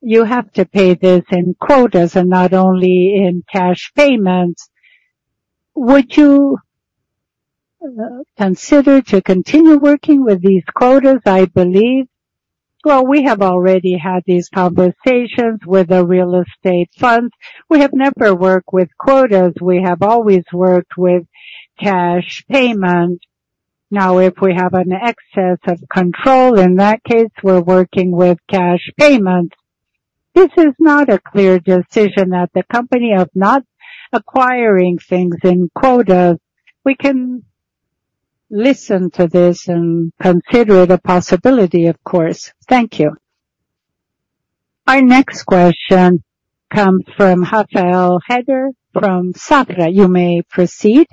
you have to pay this in quotas and not only in cash payments. Would you consider continuing to work with these quotas? I believe, well, we have already had these conversations with the real estate funds. We have never worked with quotas. We have always worked with cash payment. Now, if we have an excess of control, in that case, we're working with cash payments. This is not a clear decision that the company of not acquiring things in quotas. We can listen to this and consider it a possibility, of course. Thank you. Our next question comes from Rafael Rehder from Safra. You may proceed.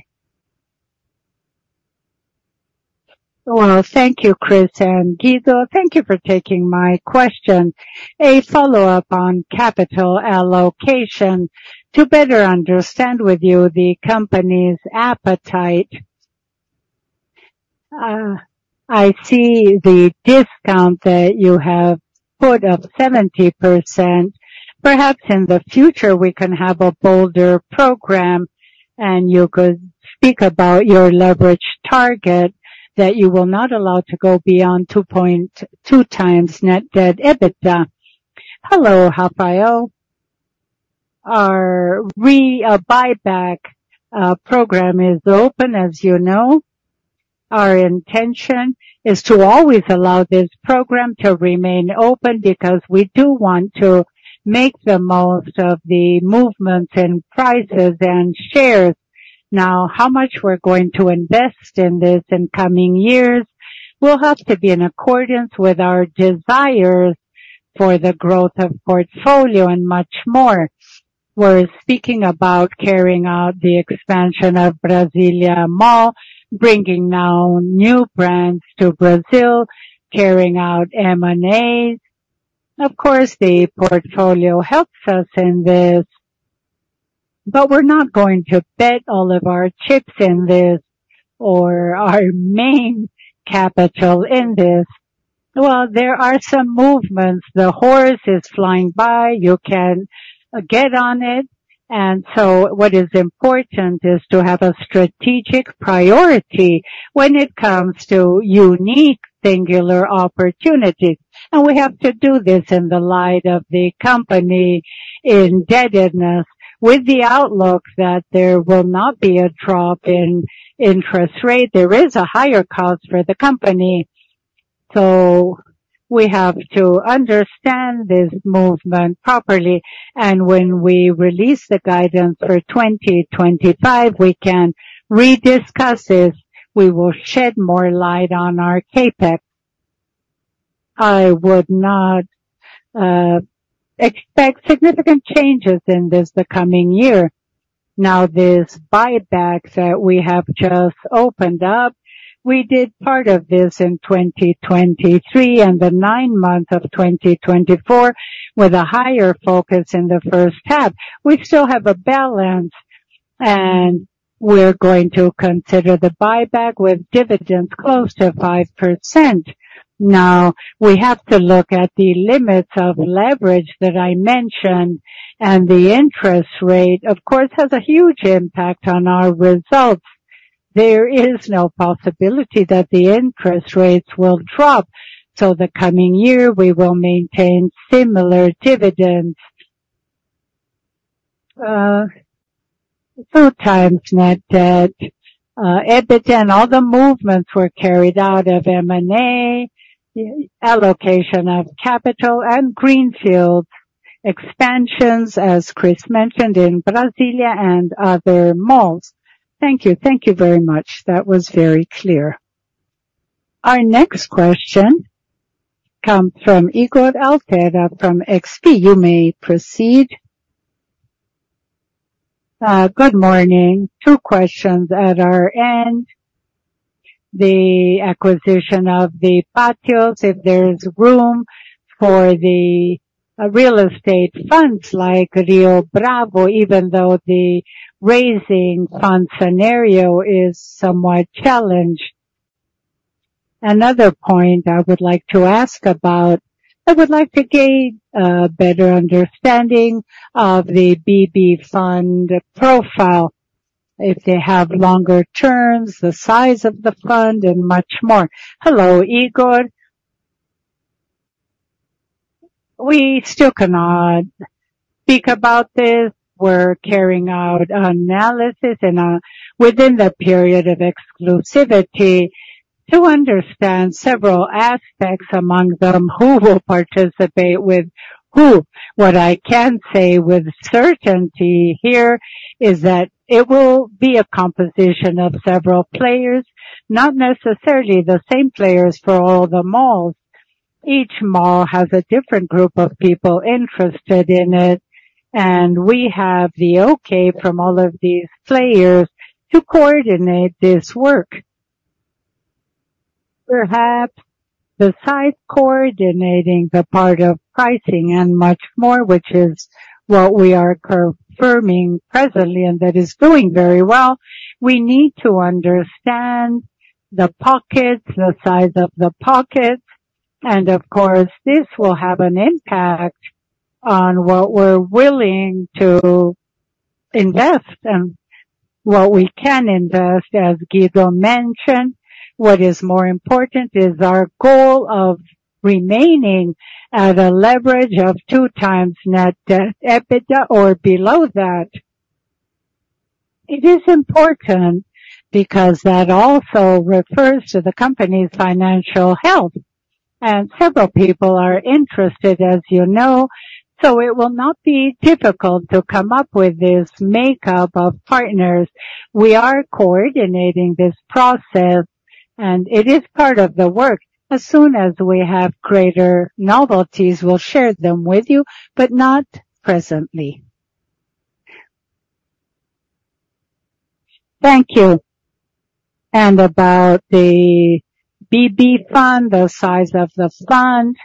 Well, thank you, Chris and Guido. Thank you for taking my question. A follow-up on capital allocation to better understand with you the company's appetite. I see the discount that you have put of 70%. Perhaps in the future, we can have a bolder program, and you could speak about your leverage target that you will not allow to go beyond 2.2 times Net Debt/EBITDA. Hello, Rafael. Our buyback program is open, as you know. Our intention is to always allow this program to remain open because we do want to make the most of the movements in prices and shares. Now, how much we're going to invest in this in coming years will have to be in accordance with our desires for the growth of portfolio and much more. We're speaking about carrying out the expansion of Brasília Shopping, bringing now new brands to Brazil, carrying out M&As. Of course, the portfolio helps us in this, but we're not going to bet all of our chips in this or our main capital in this. There are some movements. The horse is flying by. You can get on it, and so what is important is to have a strategic priority when it comes to unique singular opportunities, and we have to do this in the light of the company indebtedness with the outlook that there will not be a drop in interest rate. There is a higher cost for the company, so we have to understand this movement properly, and when we release the guidance for 2025, we can rediscuss this. We will shed more light on our CapEx. I would not expect significant changes in the coming year. Now, these buybacks that we have just opened up, we did part of this in 2023 and the nine months of 2024 with a higher focus in the first half. We still have a balance, and we're going to consider the buyback with dividends close to 5%. Now, we have to look at the limits of leverage that I mentioned, and the interest rate, of course, has a huge impact on our results. There is no possibility that the interest rates will drop. So the coming year, we will maintain similar dividends. Two times Net Debt/EBITDA and all the movements were carried out of M&A, allocation of capital, and greenfield expansions, as Chris mentioned, in Brasília and other malls. Thank you. Thank you very much. That was very clear. Our next question comes from Ygor Altero from XP. You may proceed. Good morning. Two questions at our end. The acquisition of the Pátio malls, is there room for the real estate funds like Rio Bravo, even though the raising fund scenario is somewhat challenged? Another point I would like to ask about. I would like to gain a better understanding of the BB fund profile, if they have longer terms, the size of the fund, and much more. Hello, Igor. We still cannot speak about this. We are carrying out analysis within the period of exclusivity to understand several aspects, among them who will participate with who. What I can say with certainty here is that it will be a composition of several players, not necessarily the same players for all the malls. Each mall has a different group of people interested in it, and we have the okay from all of these players to coordinate this work. Perhaps besides coordinating the part of pricing and much more, which is what we are confirming presently and that is doing very well, we need to understand the pockets, the size of the pockets. And of course, this will have an impact on what we're willing to invest and what we can invest. As Guido mentioned, what is more important is our goal of remaining at a leverage of two times Net Debt/EBITDA or below that. It is important because that also refers to the company's financial health. And several people are interested, as you know, so it will not be difficult to come up with this makeup of partners. We are coordinating this process, and it is part of the work. As soon as we have greater novelties, we'll share them with you, but not presently. Thank you. About the BB fund, the size of the fund,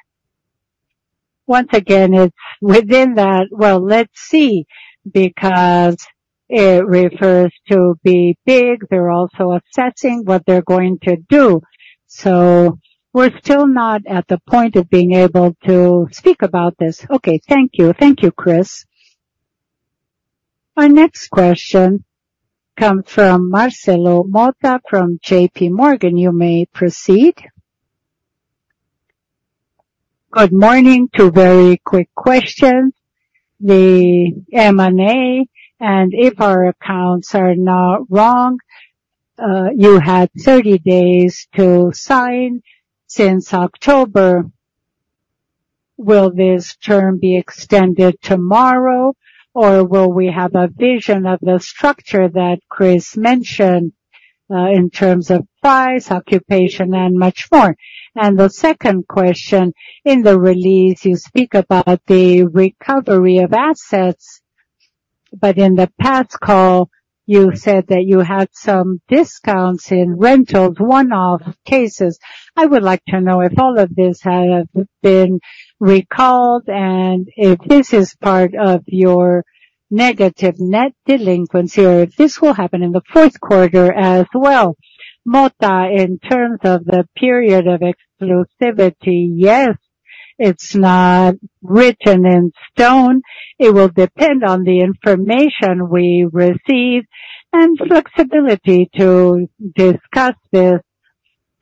once again, it's within that. Let's see because it refers to BB. They're also assessing what they're going to do. So we're still not at the point of being able to speak about this. Okay. Thank you. Thank you, Chris. Our next question comes from Marcelo Motta from JP Morgan. You may proceed. Good morning. Two very quick questions. The M&A, and if our accounts are not wrong, you had 30 days to sign since October. Will this term be extended tomorrow, or will we have a vision of the structure that Chris mentioned in terms of price, occupation, and much more? The second question, in the release, you speak about the recovery of assets, but in the past call, you said that you had some discounts in rentals, one-off cases. I would like to know if all of this has been recalled and if this is part of your negative net delinquency or if this will happen in the fourth quarter as well. Motta, in terms of the period of exclusivity, yes, it's not written in stone. It will depend on the information we receive and flexibility to discuss this.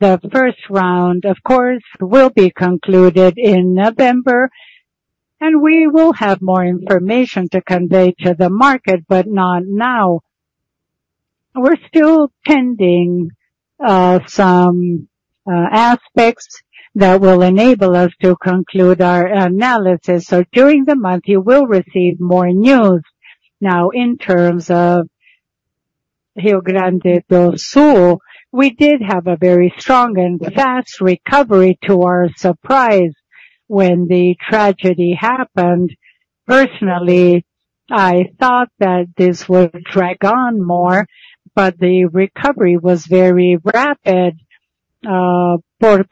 The first round, of course, will be concluded in November, and we will have more information to convey to the market, but not now. We're still pending some aspects that will enable us to conclude our analysis. So during the month, you will receive more news. Now, in terms of Rio Grande do Sul, we did have a very strong and fast recovery, to our surprise, when the tragedy happened. Personally, I thought that this would drag on more, but the recovery was very rapid. Porto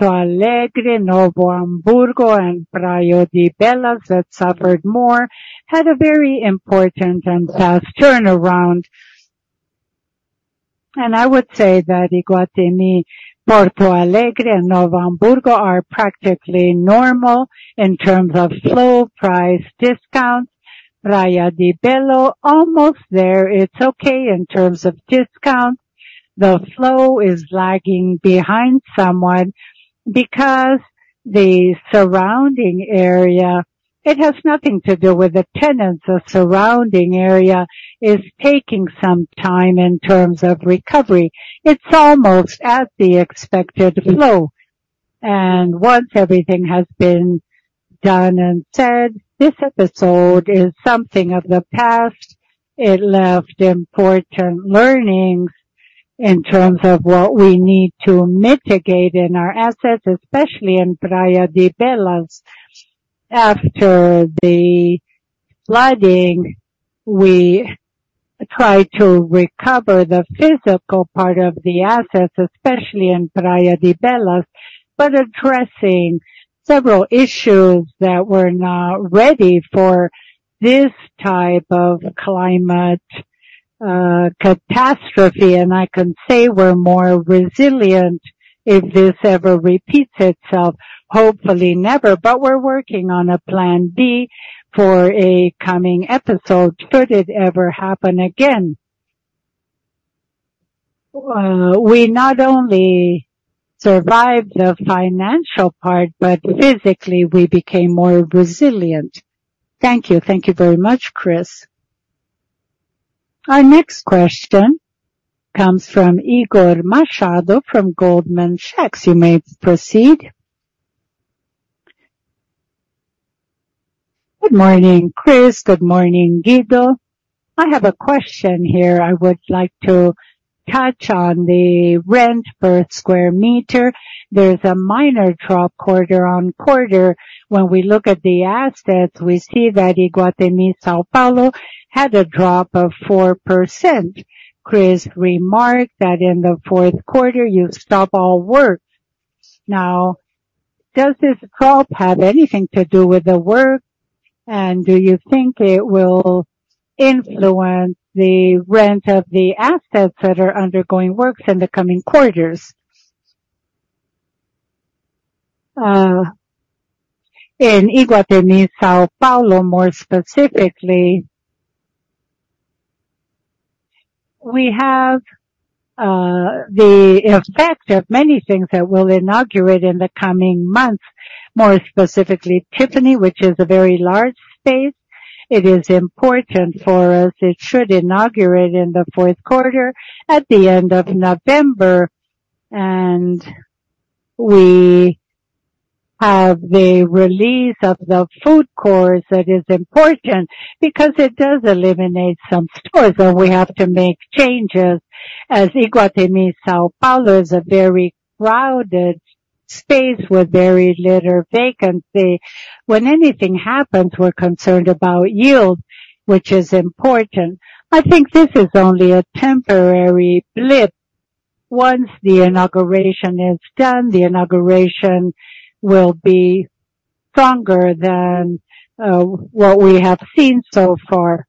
Alegre, Novo Hamburgo, and Praia de Belas that suffered more had a very important and fast turnaround. I would say that Iguatemi Porto Alegre and Novo Hamburgo are practically normal in terms of flow, price, discounts. Praia de Belas is almost there. It's okay in terms of discount. The flow is lagging behind somewhat because the surrounding area, it has nothing to do with the tenants. The surrounding area is taking some time in terms of recovery. It's almost at the expected flow. Once everything has been done and said, this episode is something of the past. It left important learnings in terms of what we need to mitigate in our assets, especially in Praia de Belas. After the flooding, we tried to recover the physical part of the assets, especially in Praia de Belas, but addressing several issues that were not ready for this type of climate catastrophe, and I can say we're more resilient if this ever repeats itself. Hopefully, never, but we're working on a plan B for a coming episode should it ever happen again. We not only survived the financial part, but physically, we became more resilient. Thank you. Thank you very much, Chris. Our next question comes from Igor Machado from Goldman Sachs. You may proceed. Good morning, Chris. Good morning, Guido. I have a question here. I would like to touch on the rent per square meter. There's a minor drop quarter on quarter. When we look at the assets, we see that Iguatemi São Paulo had a drop of 4%. Chris remarked that in the fourth quarter, you stopped all work. Now, does this drop have anything to do with the work? And do you think it will influence the rent of the assets that are undergoing works in the coming quarters? In Iguatemi São Paulo, more specifically, we have the effect of many things that will inaugurate in the coming months, more specifically Tiffany, which is a very large space. It is important for us. It should inaugurate in the fourth quarter at the end of November. And we have the release of the food court that is important because it does eliminate some stores, and we have to make changes. As Iguatemi São Paulo is a very crowded space with very little vacancy. When anything happens, we're concerned about yield, which is important. I think this is only a temporary blip. Once the inauguration is done, the inauguration will be stronger than what we have seen so far.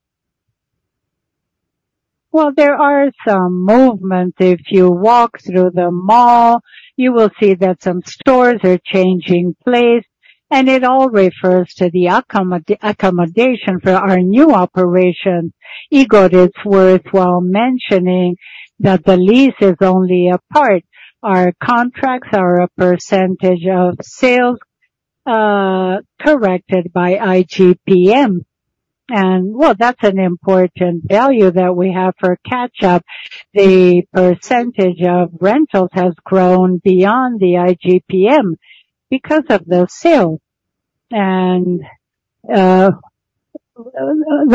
Well, there are some movements. If you walk through the mall, you will see that some stores are changing place, and it all refers to the accommodation for our new operation. Igor, it's worthwhile mentioning that the lease is only a part. Our contracts are a percentage of sales corrected by IGP-M. And well, that's an important value that we have for catch-up. The percentage of rentals has grown beyond the IGP-M because of the sale. And the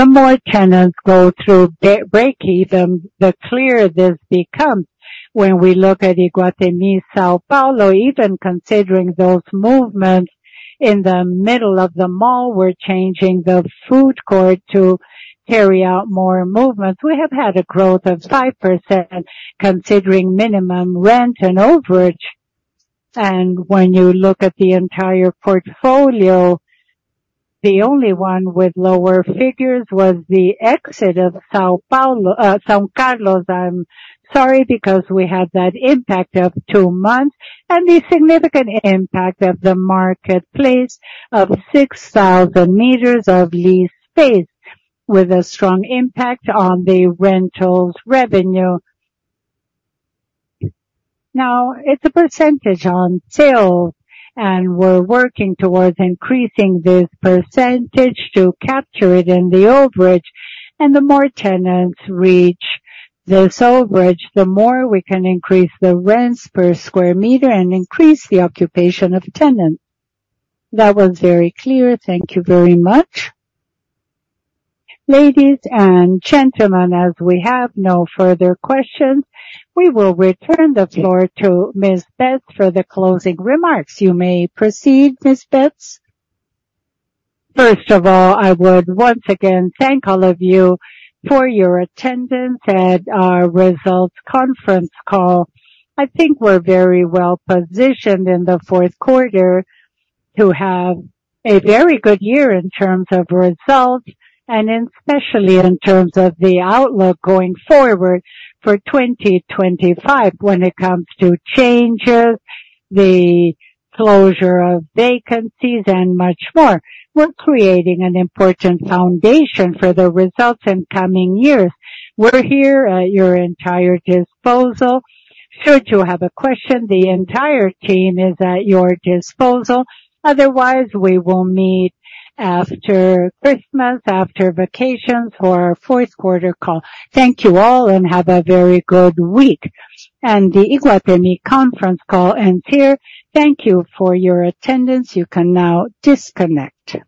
more tenants go through break-even, the clearer this becomes. When we look at Iguatemi, São Paulo, even considering those movements in the middle of the mall, we're changing the food court to carry out more movements. We have had a growth of 5% considering minimum rent and overage. And when you look at the entire portfolio, the only one with lower figures was the exit of São Carlos. I'm sorry because we had that impact of two months and the significant impact of the marketplace of 6,000 meters of lease space with a strong impact on the rentals revenue. Now, it's a percentage on sales, and we're working towards increasing this percentage to capture it in the overage. And the more tenants reach this overage, the more we can increase the rents per square meter and increase the occupation of tenants. That was very clear. Thank you very much. Ladies and gentlemen, as we have no further questions, we will return the floor to Ms. Betts for the closing remarks. You may proceed, Ms. Betts. First of all, I would once again thank all of you for your attendance at our results conference call. I think we're very well positioned in the fourth quarter to have a very good year in terms of results, and especially in terms of the outlook going forward for 2025 when it comes to changes, the closure of vacancies, and much more. We're creating an important foundation for the results in coming years. We're here at your entire disposal. Should you have a question, the entire team is at your disposal. Otherwise, we will meet after Christmas, after vacations for our fourth quarter call. Thank you all, and have a very good week. And the Iguatemi conference call ends here. Thank you for your attendance. You can now disconnect.